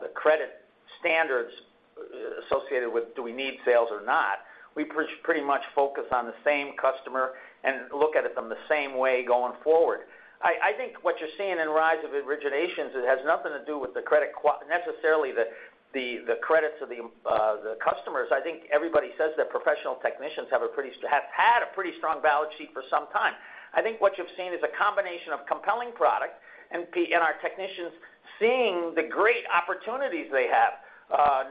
the credit standards associated with do we need sales or not. We pretty much focus on the same customer and look at it from the same way going forward. I think what you're seeing in rise of originations, it has nothing to do with the credit necessarily the credits of the customers. I think everybody says that professional technicians have had a pretty strong balance sheet for some time. I think what you've seen is a combination of compelling product and our technicians seeing the great opportunities they have.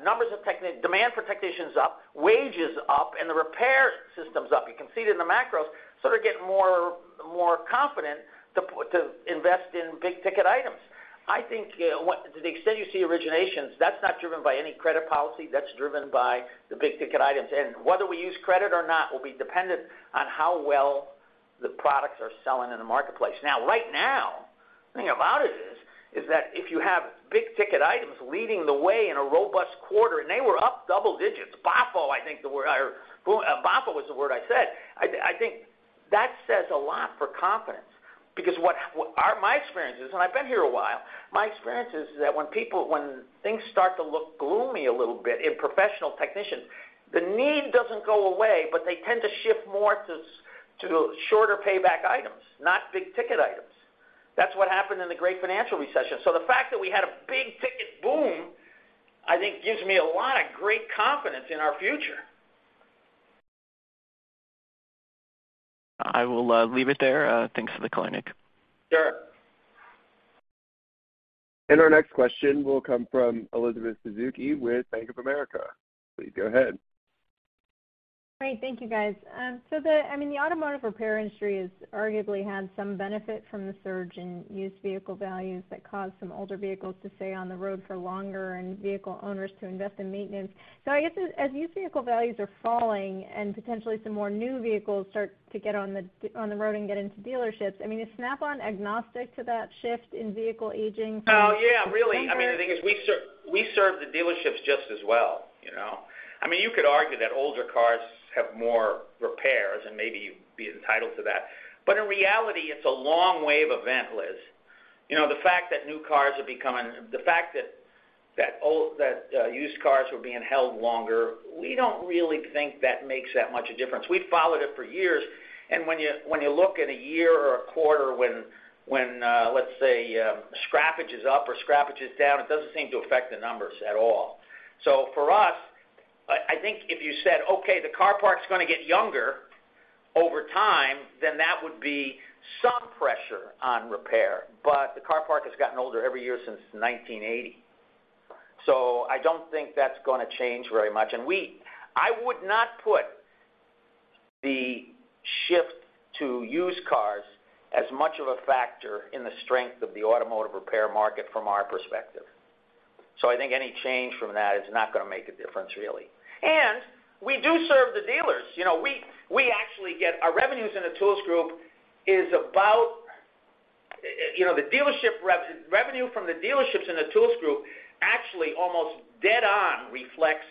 Numbers of demand for technicians up, wages up, and the repair systems up. You can see it in the macros, sort of getting more confident to invest in big-ticket items. I think, you know, what. To the extent you see originations, that's not driven by any credit policy. That's driven by the big-ticket items. Whether we use credit or not will be dependent on how well the products are selling in the marketplace. Now, the thing about it is that if you have big ticket items leading the way in a robust quarter, and they were up double digits, boffo, I think the word. Or boffo was the word I said. I think that says a lot for confidence because what are my experiences, and I've been here a while, my experience is that when things start to look gloomy a little bit in professional technicians, the need doesn't go away, but they tend to shift more to shorter payback items, not big ticket items. That's what happened in the great financial recession. The fact that we had a big ticket boom, I think gives me a lot of great confidence in our future. I will leave it there. Thanks for the comment, Nick. Sure. Our next question will come from Elizabeth Suzuki with Bank of America. Please go ahead. Great. Thank you, guys. I mean, the automotive repair industry has arguably had some benefit from the surge in used vehicle values that caused some older vehicles to stay on the road for longer and vehicle owners to invest in maintenance. I guess as used vehicle values are falling and potentially some more new vehicles start to get on the road and get into dealerships, I mean, is Snap-on agnostic to that shift in vehicle aging from? Oh, yeah, really. I mean, the thing is we serve the dealerships just as well, you know. I mean, you could argue that older cars have more repairs, and maybe you'd be entitled to that. In reality, it's a long wave event, Liz. You know, the fact that used cars were being held longer, we don't really think that makes that much a difference. We followed it for years. When you look at a year or a quarter when, let's say, scrappage is up or scrappage is down, it doesn't seem to affect the numbers at all. For us, I think if you said, "Okay, the car park's gonna get younger over time," then that would be some pressure on repair. The car park has gotten older every year since 1980. I don't think that's gonna change very much. I would not put the shift to used cars as much of a factor in the strength of the automotive repair market from our perspective. I think any change from that is not gonna make a difference, really. We do serve the dealers. You know, we actually get Our revenues in the Tools group is about, you know, the dealership revenue from the dealerships in the Tools group actually almost dead on reflects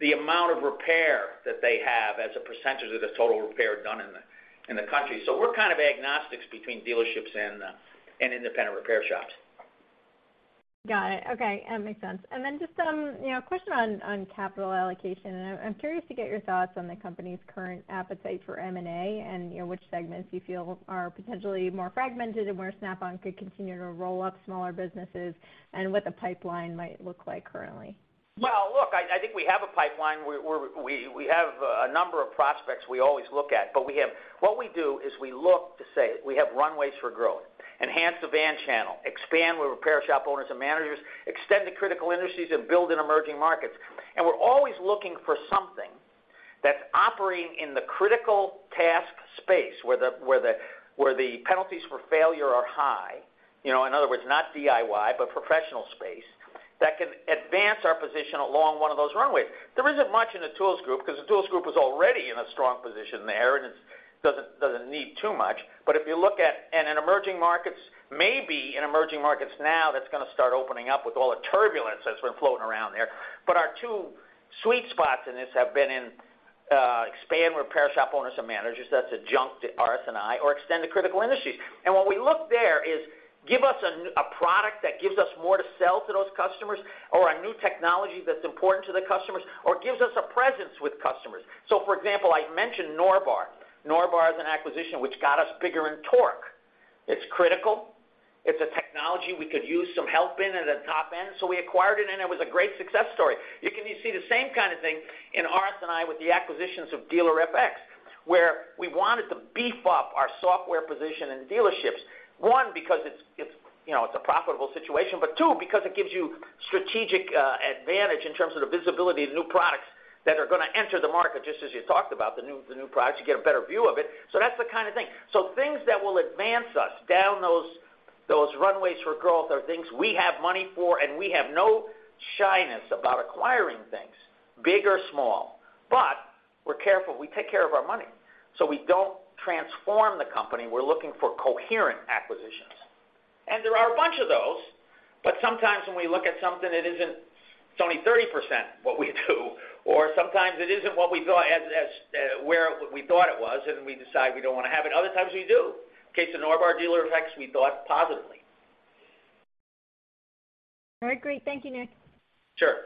the amount of repair that they have as a percentage of the total repair done in the, in the country. We're kind of agnostics between dealerships and independent repair shops. Got it. Okay. Makes sense. Then just, you know, a question on capital allocation. I'm curious to get your thoughts on the company's current appetite for M&A and, you know, which segments you feel are potentially more fragmented and where Snap-on could continue to roll up smaller businesses and what the pipeline might look like currently. Look, I think we have a pipeline where we have a number of prospects we always look at. What we do is we look to say we have runways for growth, enhance the van channel, expand with repair shop owners and managers, extend to critical industries, and build in emerging markets. We're always looking for something that's operating in the critical task space, where the penalties for failure are high, you know, in other words, not DIY, but professional space, that can advance our position along one of those runways. There isn't much in the Tools group because the Tools group was already in a strong position there, and it doesn't need too much. If you look at... In emerging markets, maybe in emerging markets now, that's gonna start opening up with all the turbulence that's been floating around there. Our two sweet spots in this have been in expand repair shop owners and managers, that's adjunct to RS&I or extend to critical industries. When we look there is, give us a product that gives us more to sell to those customers or a new technology that's important to the customers or gives us a presence with customers. For example, I mentioned Norbar. Norbar is an acquisition which got us bigger in torque. It's critical. It's a technology we could use some help in at the top end, so we acquired it, and it was a great success story. You can see the same kind of thing in RS&I with the acquisitions of Dealer-FX, where we wanted to beef up our software position in dealerships, one, because it's, you know, it's a profitable situation, but two, because it gives you strategic advantage in terms of the visibility of new products that are gonna enter the market, just as you talked about the new products, you get a better view of it. That's the kind of thing. Things that will advance us down those runways for growth are things we have money for, and we have no shyness about acquiring things, big or small. We're careful. We take care of our money. We don't transform the company. We're looking for coherent acquisitions. There are a bunch of those, but sometimes when we look at something, it isn't... It's only 30% what we do, or sometimes it isn't what we thought as where we thought it was, and we decide we don't wanna have it. Other times we do. In case of Norbar, Dealer-FX, we thought positively. All right, great. Thank you, Nick. Sure.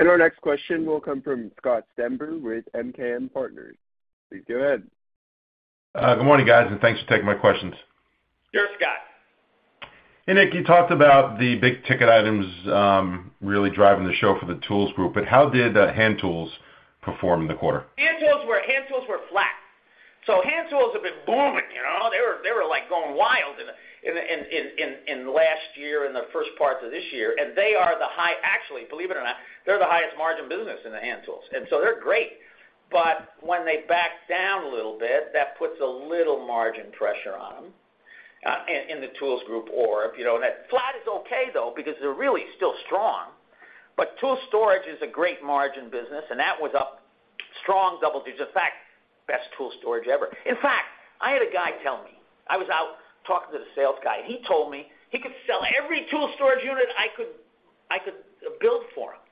Our next question will come from Scott Stember with MKM Partners. Please go ahead. Good morning, guys, thanks for taking my questions. Sure, Scott. Hey, Nick, you talked about the big ticket items, really driving the show for the Tools group, but how did hand tools perform in the quarter? Hand tools were flat. Hand tools have been booming. You know, they were like going wild in last year and the first parts of this year. Actually, believe it or not, they're the highest margin business in the hand tools, and so they're great. When they back down a little bit, that puts a little margin pressure on them in the Tools group. Flat is okay though because they're really still strong. Tool storage is a great margin business, and that was up strong double digits. In fact, best tool storage ever. In fact, I had a guy tell me... I was out talking to the sales guy. He told me he could sell every tool storage unit I could build for him.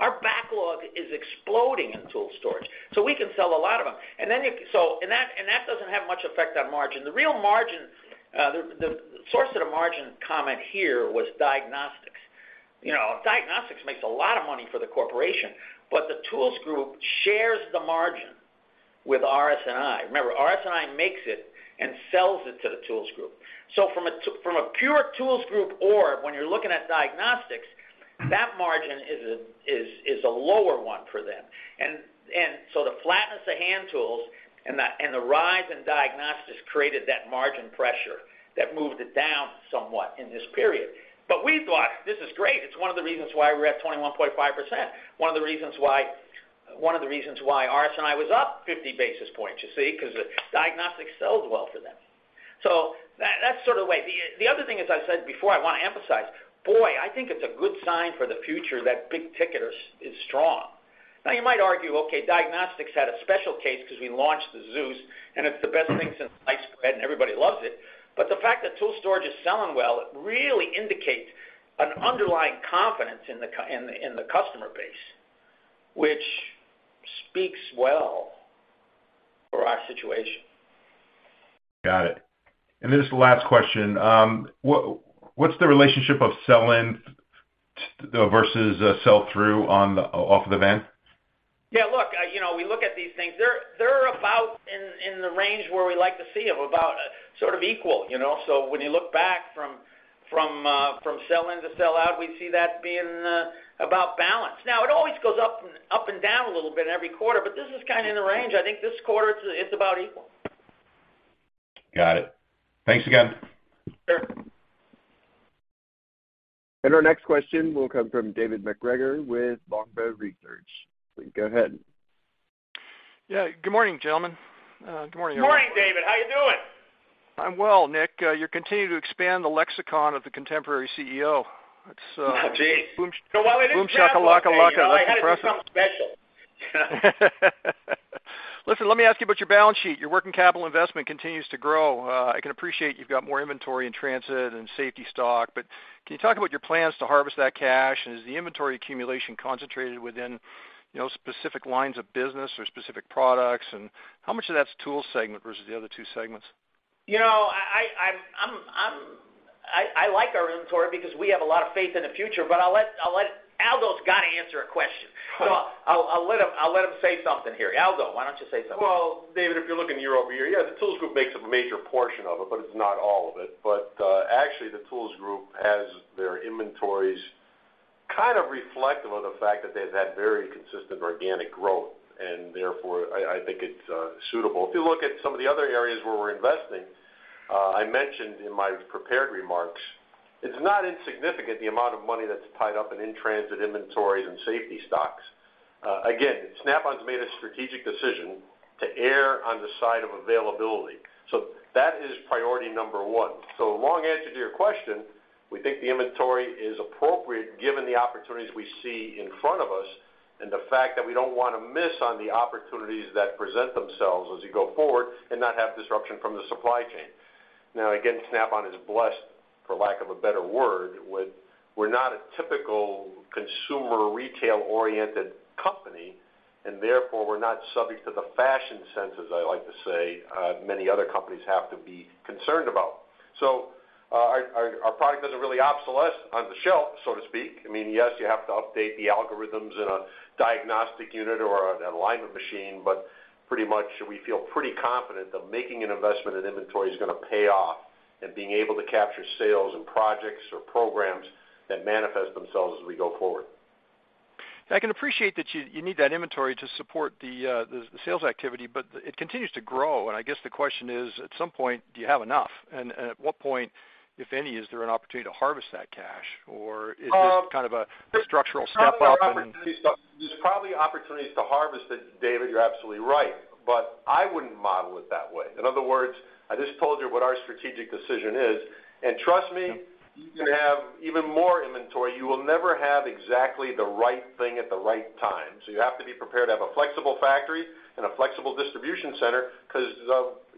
Our backlog is exploding in tool storage. We can sell a lot of them. That doesn't have much effect on margin. The real margin, the source of the margin comment here was diagnostics. You know, diagnostics makes a lot of money for the corporation. The Tools group shares the margin with RS&I. Remember, RS&I makes it and sells it to the Tools group. From a pure Tools group orb, when you're looking at diagnostics, that margin is a lower one for them. The flatness of hand tools and the rise in diagnostics created that margin pressure that moved it down somewhat in this period. We thought this is great. It's one of the reasons why we're at 21.5%. One of the reasons why RS&I was up 50 basis points, you see, 'cause the diagnostics sells well for them. That's sort of the way. The other thing, as I said before, I wanna emphasize, boy, I think it's a good sign for the future that big ticket is strong. You might argue, okay, diagnostics had a special case because we launched the ZEUS, and it's the best thing since sliced bread, and everybody loves it. The fact that tool storage is selling well, it really indicates an underlying confidence in the customer base, which speaks well for our situation. Got it. Then just the last question. What's the relationship of sell-in versus sell-through off of the van? Yeah, look, you know, we look at these things. They're about in the range where we like to see them, about sort of equal, you know. When you look back from sell-in to sell out, we see that being about balance. Now it always goes up and down a little bit every quarter, but this is kinda in the range. I think this quarter it's about equal. Got it. Thanks again. Sure. Our next question will come from David MacGregor with Longbow Research. Go ahead. Yeah. Good morning, gentlemen. Good morning, everyone. Good morning, David. How you doing? I'm well, Nick. You continue to expand the lexicon of the contemporary CEO. It's. Geez. Boomsh- While we're in Snap-on, David. Boomshakalakalaka. You know, I had to do something special. Listen, let me ask you about your balance sheet. Your working capital investment continues to grow. I can appreciate you've got more inventory in transit and safety stock, but can you talk about your plans to harvest that cash? Is the inventory accumulation concentrated within, you know, specific lines of business or specific products? How much of that's tool segment versus the other two segments? You know, I like our inventory because we have a lot of faith in the future. I'll let Aldo's gotta answer a question. I'll let him say something here. Aldo, why don't you say something? Well, David, if you're looking year-over-year, yeah, the Tools group makes up a major portion of it, but it's not all of it. Actually, the Tools group has their inventories kind of reflective of the fact that they've had very consistent organic growth, and therefore, I think it's suitable. If you look at some of the other areas where we're investing, I mentioned in my prepared remarks, it's not insignificant the amount of money that's tied up in transit inventories and safety stocks. Again, Snap-on's made a strategic decision to err on the side of availability. That is priority number one. Long answer to your question, we think the inventory is appropriate given the opportunities we see in front of us and the fact that we don't wanna miss on the opportunities that present themselves as you go forward and not have disruption from the supply chain. Again, Snap-on is blessed, for lack of a better word, with we're not a typical consumer retail-oriented company, and therefore, we're not subject to the fashion senses, I like to say, many other companies have to be concerned about. Our product doesn't really obsolesce on the shelf, so to speak. I mean, yes, you have to update the algorithms in a diagnostic unit or an alignment machine, pretty much we feel pretty confident that making an investment in inventory is gonna pay off and being able to capture sales and projects or programs that manifest themselves as we go forward. I can appreciate that you need that inventory to support the sales activity, but it continues to grow. I guess the question is, at some point, do you have enough? At what point, if any, is there an opportunity to harvest that cash or is this kind of a structural step up. There's probably opportunities to harvest it, David, you're absolutely right, but I wouldn't model it that way. In other words, I just told you what our strategic decision is, and trust me. Yep You can have even more inventory. You will never have exactly the right thing at the right time. You have to be prepared to have a flexible factory and a flexible distribution center because,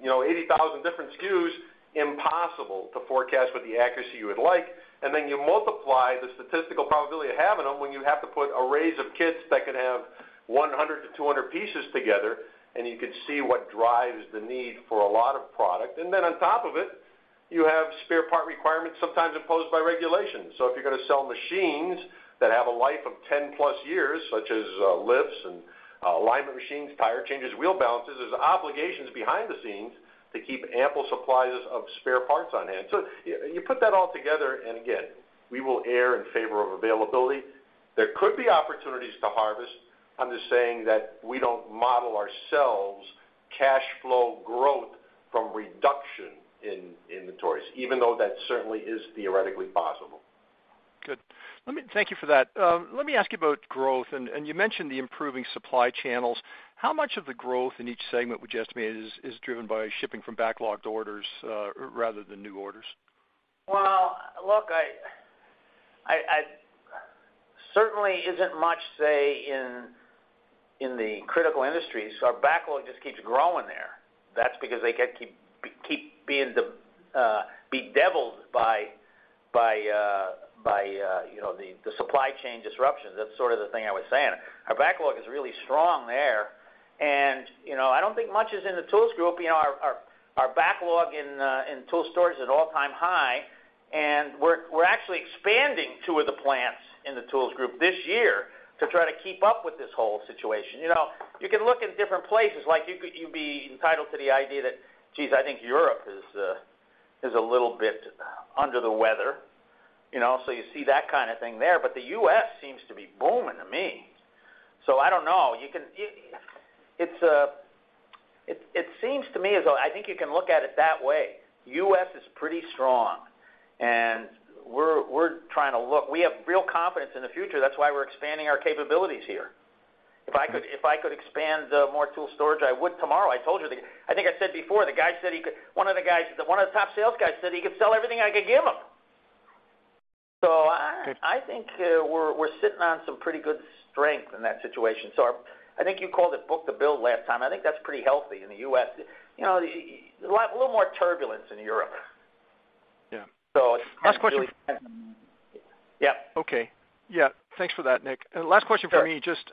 you know, 80,000 different SKUs, impossible to forecast with the accuracy you would like. You multiply the statistical probability of having them when you have to put arrays of kits that can have 100-200 pieces together, and you can see what drives the need for a lot of product. On top of it, you have spare part requirements sometimes imposed by regulations. If you're gonna sell machines that have a life of 10+ years, such as lifts and alignment machines, tire changes, wheel balances, there's obligations behind the scenes to keep ample supplies of spare parts on hand. You put that all together, again, we will err in favor of availability. There could be opportunities to harvest. I'm just saying that we don't model ourselves cash flow growth from reduction in inventories, even though that certainly is theoretically possible. Good. Thank you for that. Let me ask you about growth. You mentioned the improving supply channels. How much of the growth in each segment would you estimate is driven by shipping from backlogged orders, rather than new orders? Well, look, I certainly isn't much say in the critical industries, so our backlog just keeps growing there. That's because they keep being bedeviled by, you know, the supply chain disruptions. That's sort of the thing I was saying. Our backlog is really strong there. You know, I don't think much is in the Tools group. You know, our backlog in tool storage is at an all-time high. We're actually expanding two of the plants in the Tools group this year to try to keep up with this whole situation. You know, you can look in different places. Like, you'd be entitled to the idea that, geez, I think Europe is a little bit under the weather, you know. You see that kind of thing there, but the U.S. seems to be booming to me. I don't know. It seems to me as though I think you can look at it that way. U.S. is pretty strong, and we're trying to look. We have real confidence in the future. That's why we're expanding our capabilities here. If I could expand more tool storage, I would tomorrow. I think I said before, one of the guys, one of the top sales guys said he could sell everything I could give him. Good I think, we're sitting on some pretty good strength in that situation. I think you called it book-to-bill last time. I think that's pretty healthy in the U.S. You know, a little more turbulence in Europe. Yeah. So. Last question. Yeah. Okay. Yeah. Thanks for that, Nick. Last question from me. Sure. Just,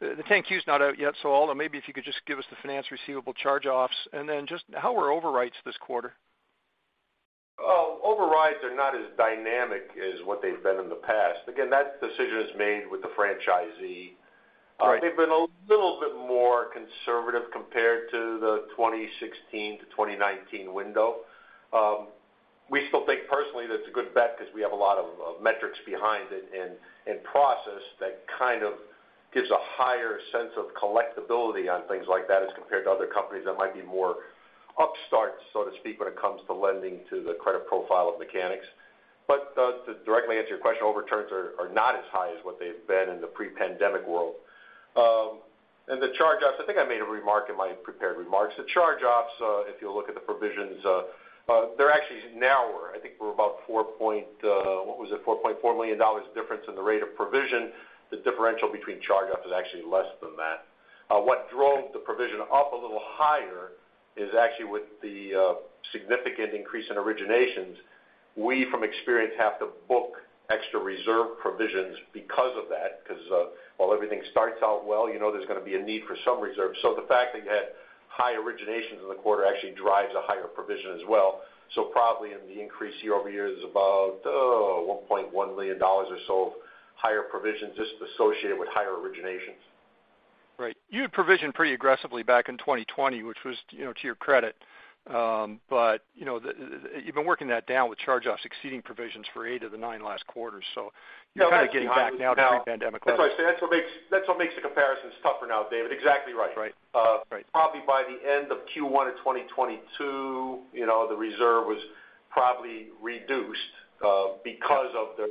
the 10-Q is not out yet, so although maybe if you could just give us the finance receivable charge-offs, and then just how were originations this quarter? Originations are not as dynamic as what they've been in the past. Again, that decision is made with the franchisee. Right. They've been a little bit more conservative compared to the 2016-2019 window. We still think personally that's a good bet because we have a lot of metrics behind it and process that kind of gives a higher sense of collectibility on things like that as compared to other companies that might be more upstart, so to speak, when it comes to lending to the credit profile of mechanics. To directly answer your question, turnover are not as high as what they've been in the pre-pandemic world. The charge-offs, I think I made a remark in my prepared remarks. The charge-offs, if you look at the provisions, they're actually narrower. I think we're about what was it? $4.4 million difference in the rate of provision. The differential between charge-off is actually less than that. What drove the provision up a little higher is actually with the significant increase in originations. We, from experience, have to book extra reserve provisions because of that. Because while everything starts out well, you know there's gonna be a need for some reserve. The fact that you had high originations in the quarter actually drives a higher provision as well. Probably in the increase year-over-year is about $1.1 million or so of higher provisions just associated with higher originations. Right. You had provisioned pretty aggressively back in 2020, which was, you know, to your credit. you know, you've been working that down with charge-offs exceeding provisions for eight of the nine last quarters. You're kind of getting back now to pre-pandemic levels. That's what I say. That's what makes the comparisons tougher now, David. Exactly right. Right. Right. Probably by the end of Q1 of 2022, you know, the reserve was probably reduced because of the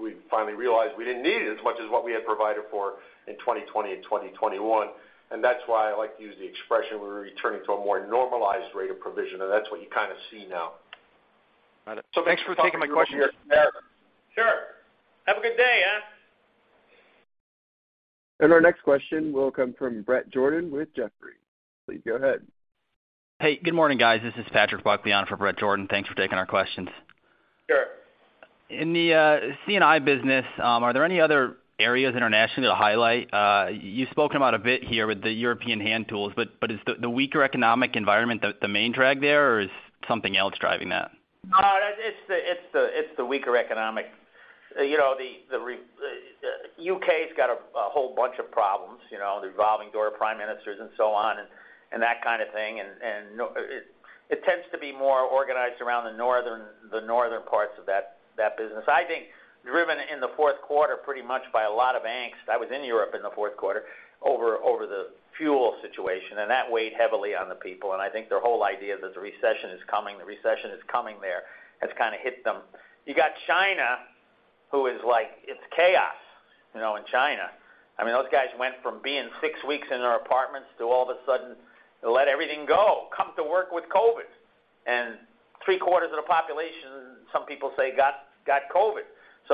we finally realized we didn't need it as much as what we had provided for in 2020 and 2021. That's why I like to use the expression, we're returning to a more normalized rate of provision, and that's what you kind of see now. Got it. Thanks for taking my question. Sure. Have a good day, huh? Our next question will come from Bret Jordan with Jefferies. Please go ahead. Hey, good morning, guys. This is Patrick Buckley for Bret Jordan. Thanks for taking our questions. Sure. In the C&I business, are there any other areas internationally to highlight? You've spoken about a bit here with the European hand tools, but is the weaker economic environment the main drag there, or is something else driving that? It's the weaker economic. You know, the U.K.'s got a whole bunch of problems, you know, the revolving door prime ministers and so on and that kind of thing. It tends to be more organized around the northern parts of that business. I think driven in the fourth quarter pretty much by a lot of angst. I was in Europe in the fourth quarter over the fuel situation, and that weighed heavily on the people. I think their whole idea that the recession is coming there, has kind of hit them. You got China, who is like, it's chaos, you know, in China. I mean, those guys went from being six weeks in their apartments to all of a sudden let everything go, come to work with COVID. Three-quarters of the population, some people say, got COVID.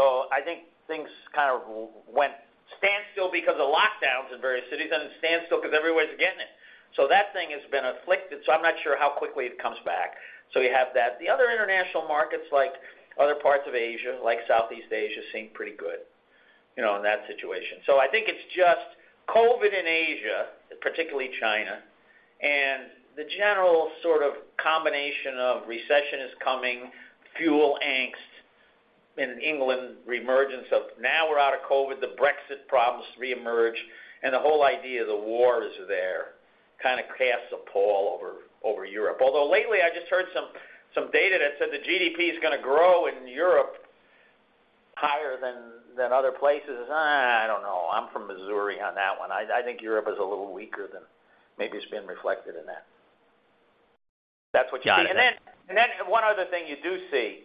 I think things kind of went standstill because of lockdowns in various cities and standstill because everybody's getting it. That thing has been afflicted, so I'm not sure how quickly it comes back. We have that. The other international markets, like other parts of Asia, like Southeast Asia, seem pretty good, you know, in that situation. I think it's just COVID in Asia, particularly China, and the general sort of combination of recession is coming, fuel angst in England, reemergence of now we're out of COVID, the Brexit problems reemerge, and the whole idea of the war is there, kind of casts a pall over Europe. Lately, I just heard some data that said the GDP is gonna grow in Europe higher than other places. I don't know. I'm from Missouri on that one. I think Europe is a little weaker than maybe it's been reflected in that. That's what. One other thing you do see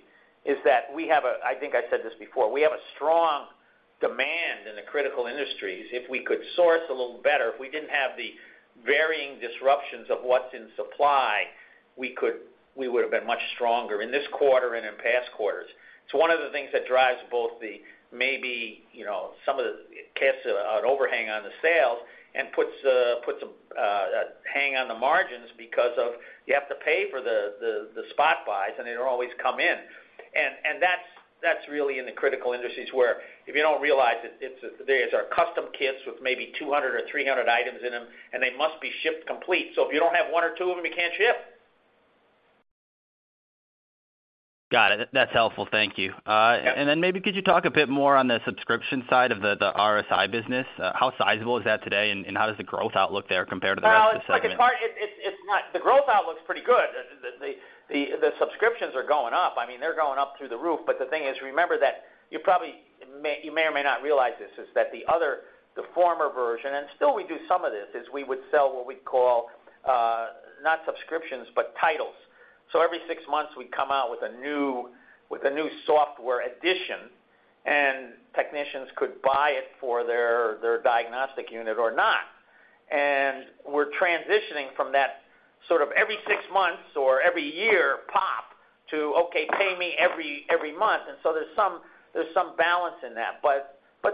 is that we have. I think I said this before. We have a strong demand in the critical industries, if we could source a little better, if we didn't have the varying disruptions of what's in supply, we would have been much stronger in this quarter and in past quarters. It's one of the things that drives both the maybe, you know, some of the casts an overhang on the sales and puts a hang on the margins because of you have to pay for the spot buys, and they don't always come in. That's really in the critical industries where if you don't realize it, there's our custom kits with maybe 200 or 300 items in them, and they must be shipped complete. If you don't have one or two of them, you can't ship. Got it. That's helpful. Thank you. Maybe could you talk a bit more on the subscription side of the RS&I business? How sizable is that today, and how does the growth outlook there compare to the rest of the segment? Well, it's like it's hard. It, it's not, the growth outlook's pretty good. The, the, the subscriptions are going up. I mean, they're going up through the roof. The thing is, remember that you probably may, you may or may not realize this, is that the other, the former version, and still we do some of this, is we would sell what we'd call, not subscriptions, but titles. Every six months we'd come out with a new, with a new software addition, and technicians could buy it for their diagnostic unit or not. We're transitioning from that sort of every six months or every year pop to, okay, pay me every month. There's some, there's some balance in that.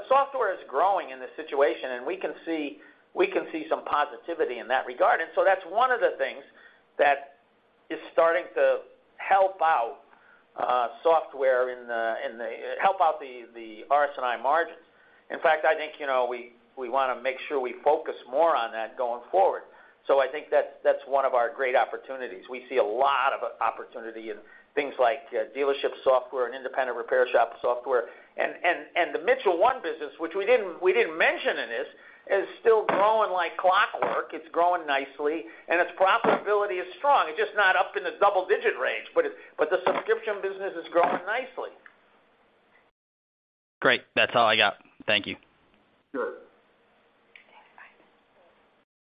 Software is growing in this situation, and we can see, we can see some positivity in that regard. That's one of the things that is starting to help out software help out the RS&I margins. In fact, I think, you know, we wanna make sure we focus more on that going forward. I think that's one of our great opportunities. We see a lot of opportunity in things like dealership software and independent repair shop software. The Mitchell 1 business, which we didn't mention in this, is still growing like clockwork. It's growing nicely, and its profitability is strong. It's just not up in the double-digit range, but the subscription business is growing nicely. Great. That's all I got. Thank you. Sure.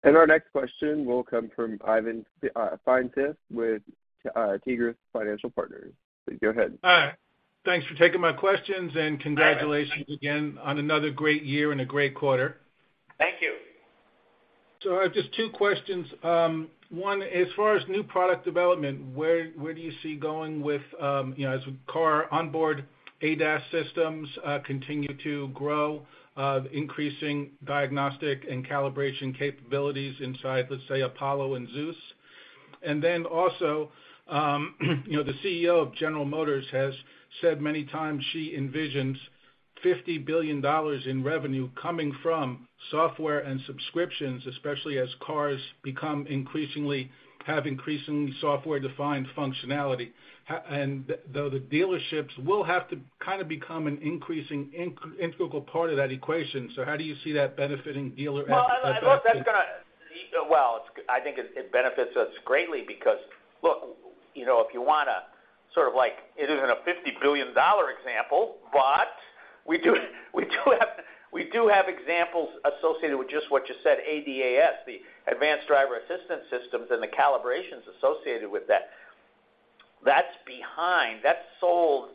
Our next question will come from Ivan Feinseth with Tigress Financial Partners. Go ahead. Hi. Thanks for taking my questions and congratulations- Hi, Ivan. Again on another great year and a great quarter. Thank you. I have just two questions. One, as far as new product development, where do you see going with, you know, as car onboard ADAS systems continue to grow, increasing diagnostic and calibration capabilities inside, let's say, APOLLO and ZEUS? Also, you know, the CEO of General Motors has said many times she envisions $50 billion in revenue coming from software and subscriptions, especially as cars become increasingly software-defined functionality. Though the dealerships will have to kind of become an increasing integral part of that equation, how do you see that benefiting dealer as- Well, I think it benefits us greatly because, look, you know, It isn't a $50 billion example. We do have examples associated with just what you said, ADAS, the Advanced Driver Assistance Systems and the calibrations associated with that. That's behind, that's sold,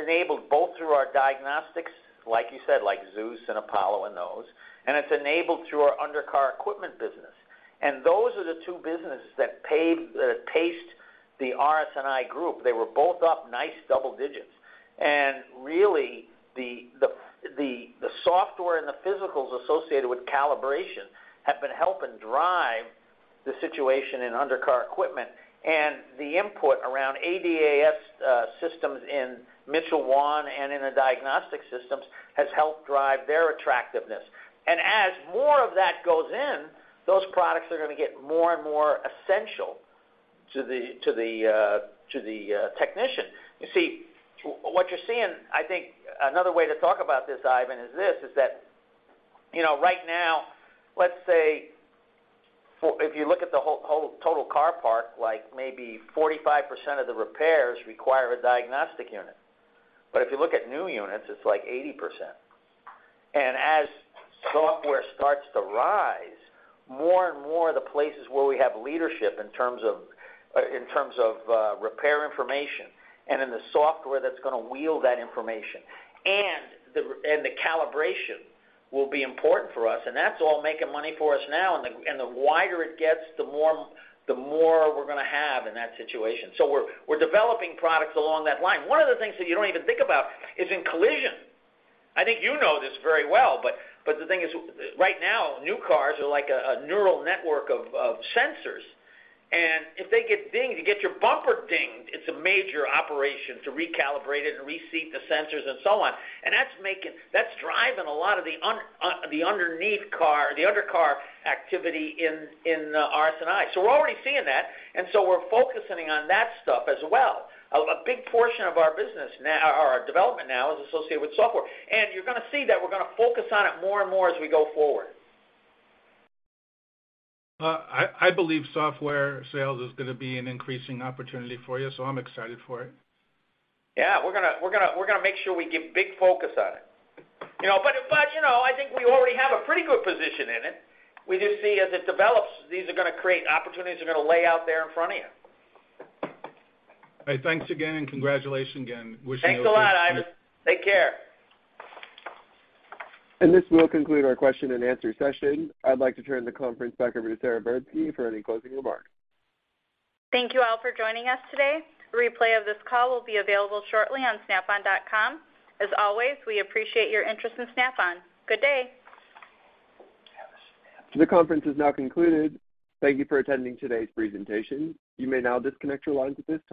enabled both through our diagnostics, like you said, like ZEUS and APOLLO and those, and it's enabled through our undercar equipment business. Those are the two businesses that paced the RS&I group. They were both up nice double digits. Really, the software and the physicals associated with calibration have been helping drive the situation in undercar equipment. The input around ADAS systems in Mitchell 1 and in the diagnostic systems has helped drive their attractiveness. As more of that goes in, those products are gonna get more and more essential to the technician. You see, what you're seeing, I think another way to talk about this, Ivan, is this, is that, you know, right now, let's say if you look at the whole total car park, like maybe 45% of the repairs require a diagnostic unit. If you look at new units, it's like 80%. As software starts to rise, more and more of the places where we have leadership in terms of repair information and in the software that's gonna wield that information and the calibration will be important for us, and that's all making money for us now. The wider it gets, the more we're gonna have in that situation. We're developing products along that line. One of the things that you don't even think about is in collision. I think you know this very well, but the thing is, right now, new cars are like a neural network of sensors. If they get dinged, you get your bumper dinged, it's a major operation to recalibrate it and reseat the sensors and so on. That's driving a lot of the underneath car, the undercar activity in RS&I. We're already seeing that, we're focusing on that stuff as well. A big portion of our business now, or our development now is associated with software. You're gonna see that we're gonna focus on it more and more as we go forward. I believe software sales is gonna be an increasing opportunity for you, so I'm excited for it. Yeah. We're gonna make sure we give big focus on it. You know, I think we already have a pretty good position in it. We just see as it develops, these are gonna create opportunities that are gonna lay out there in front of you. All right. Thanks again, and congratulations again. Wishing you- Thanks a lot, Ivan. Take care. This will conclude our question and answer session. I'd like to turn the conference back over to Sara Verbsky for any closing remarks. Thank you all for joining us today. A replay of this call will be available shortly on snapon.com. As always, we appreciate your interest in Snap-on. Good day. This conference is now concluded. Thank you for attending today's presentation. You may now disconnect your lines at this time.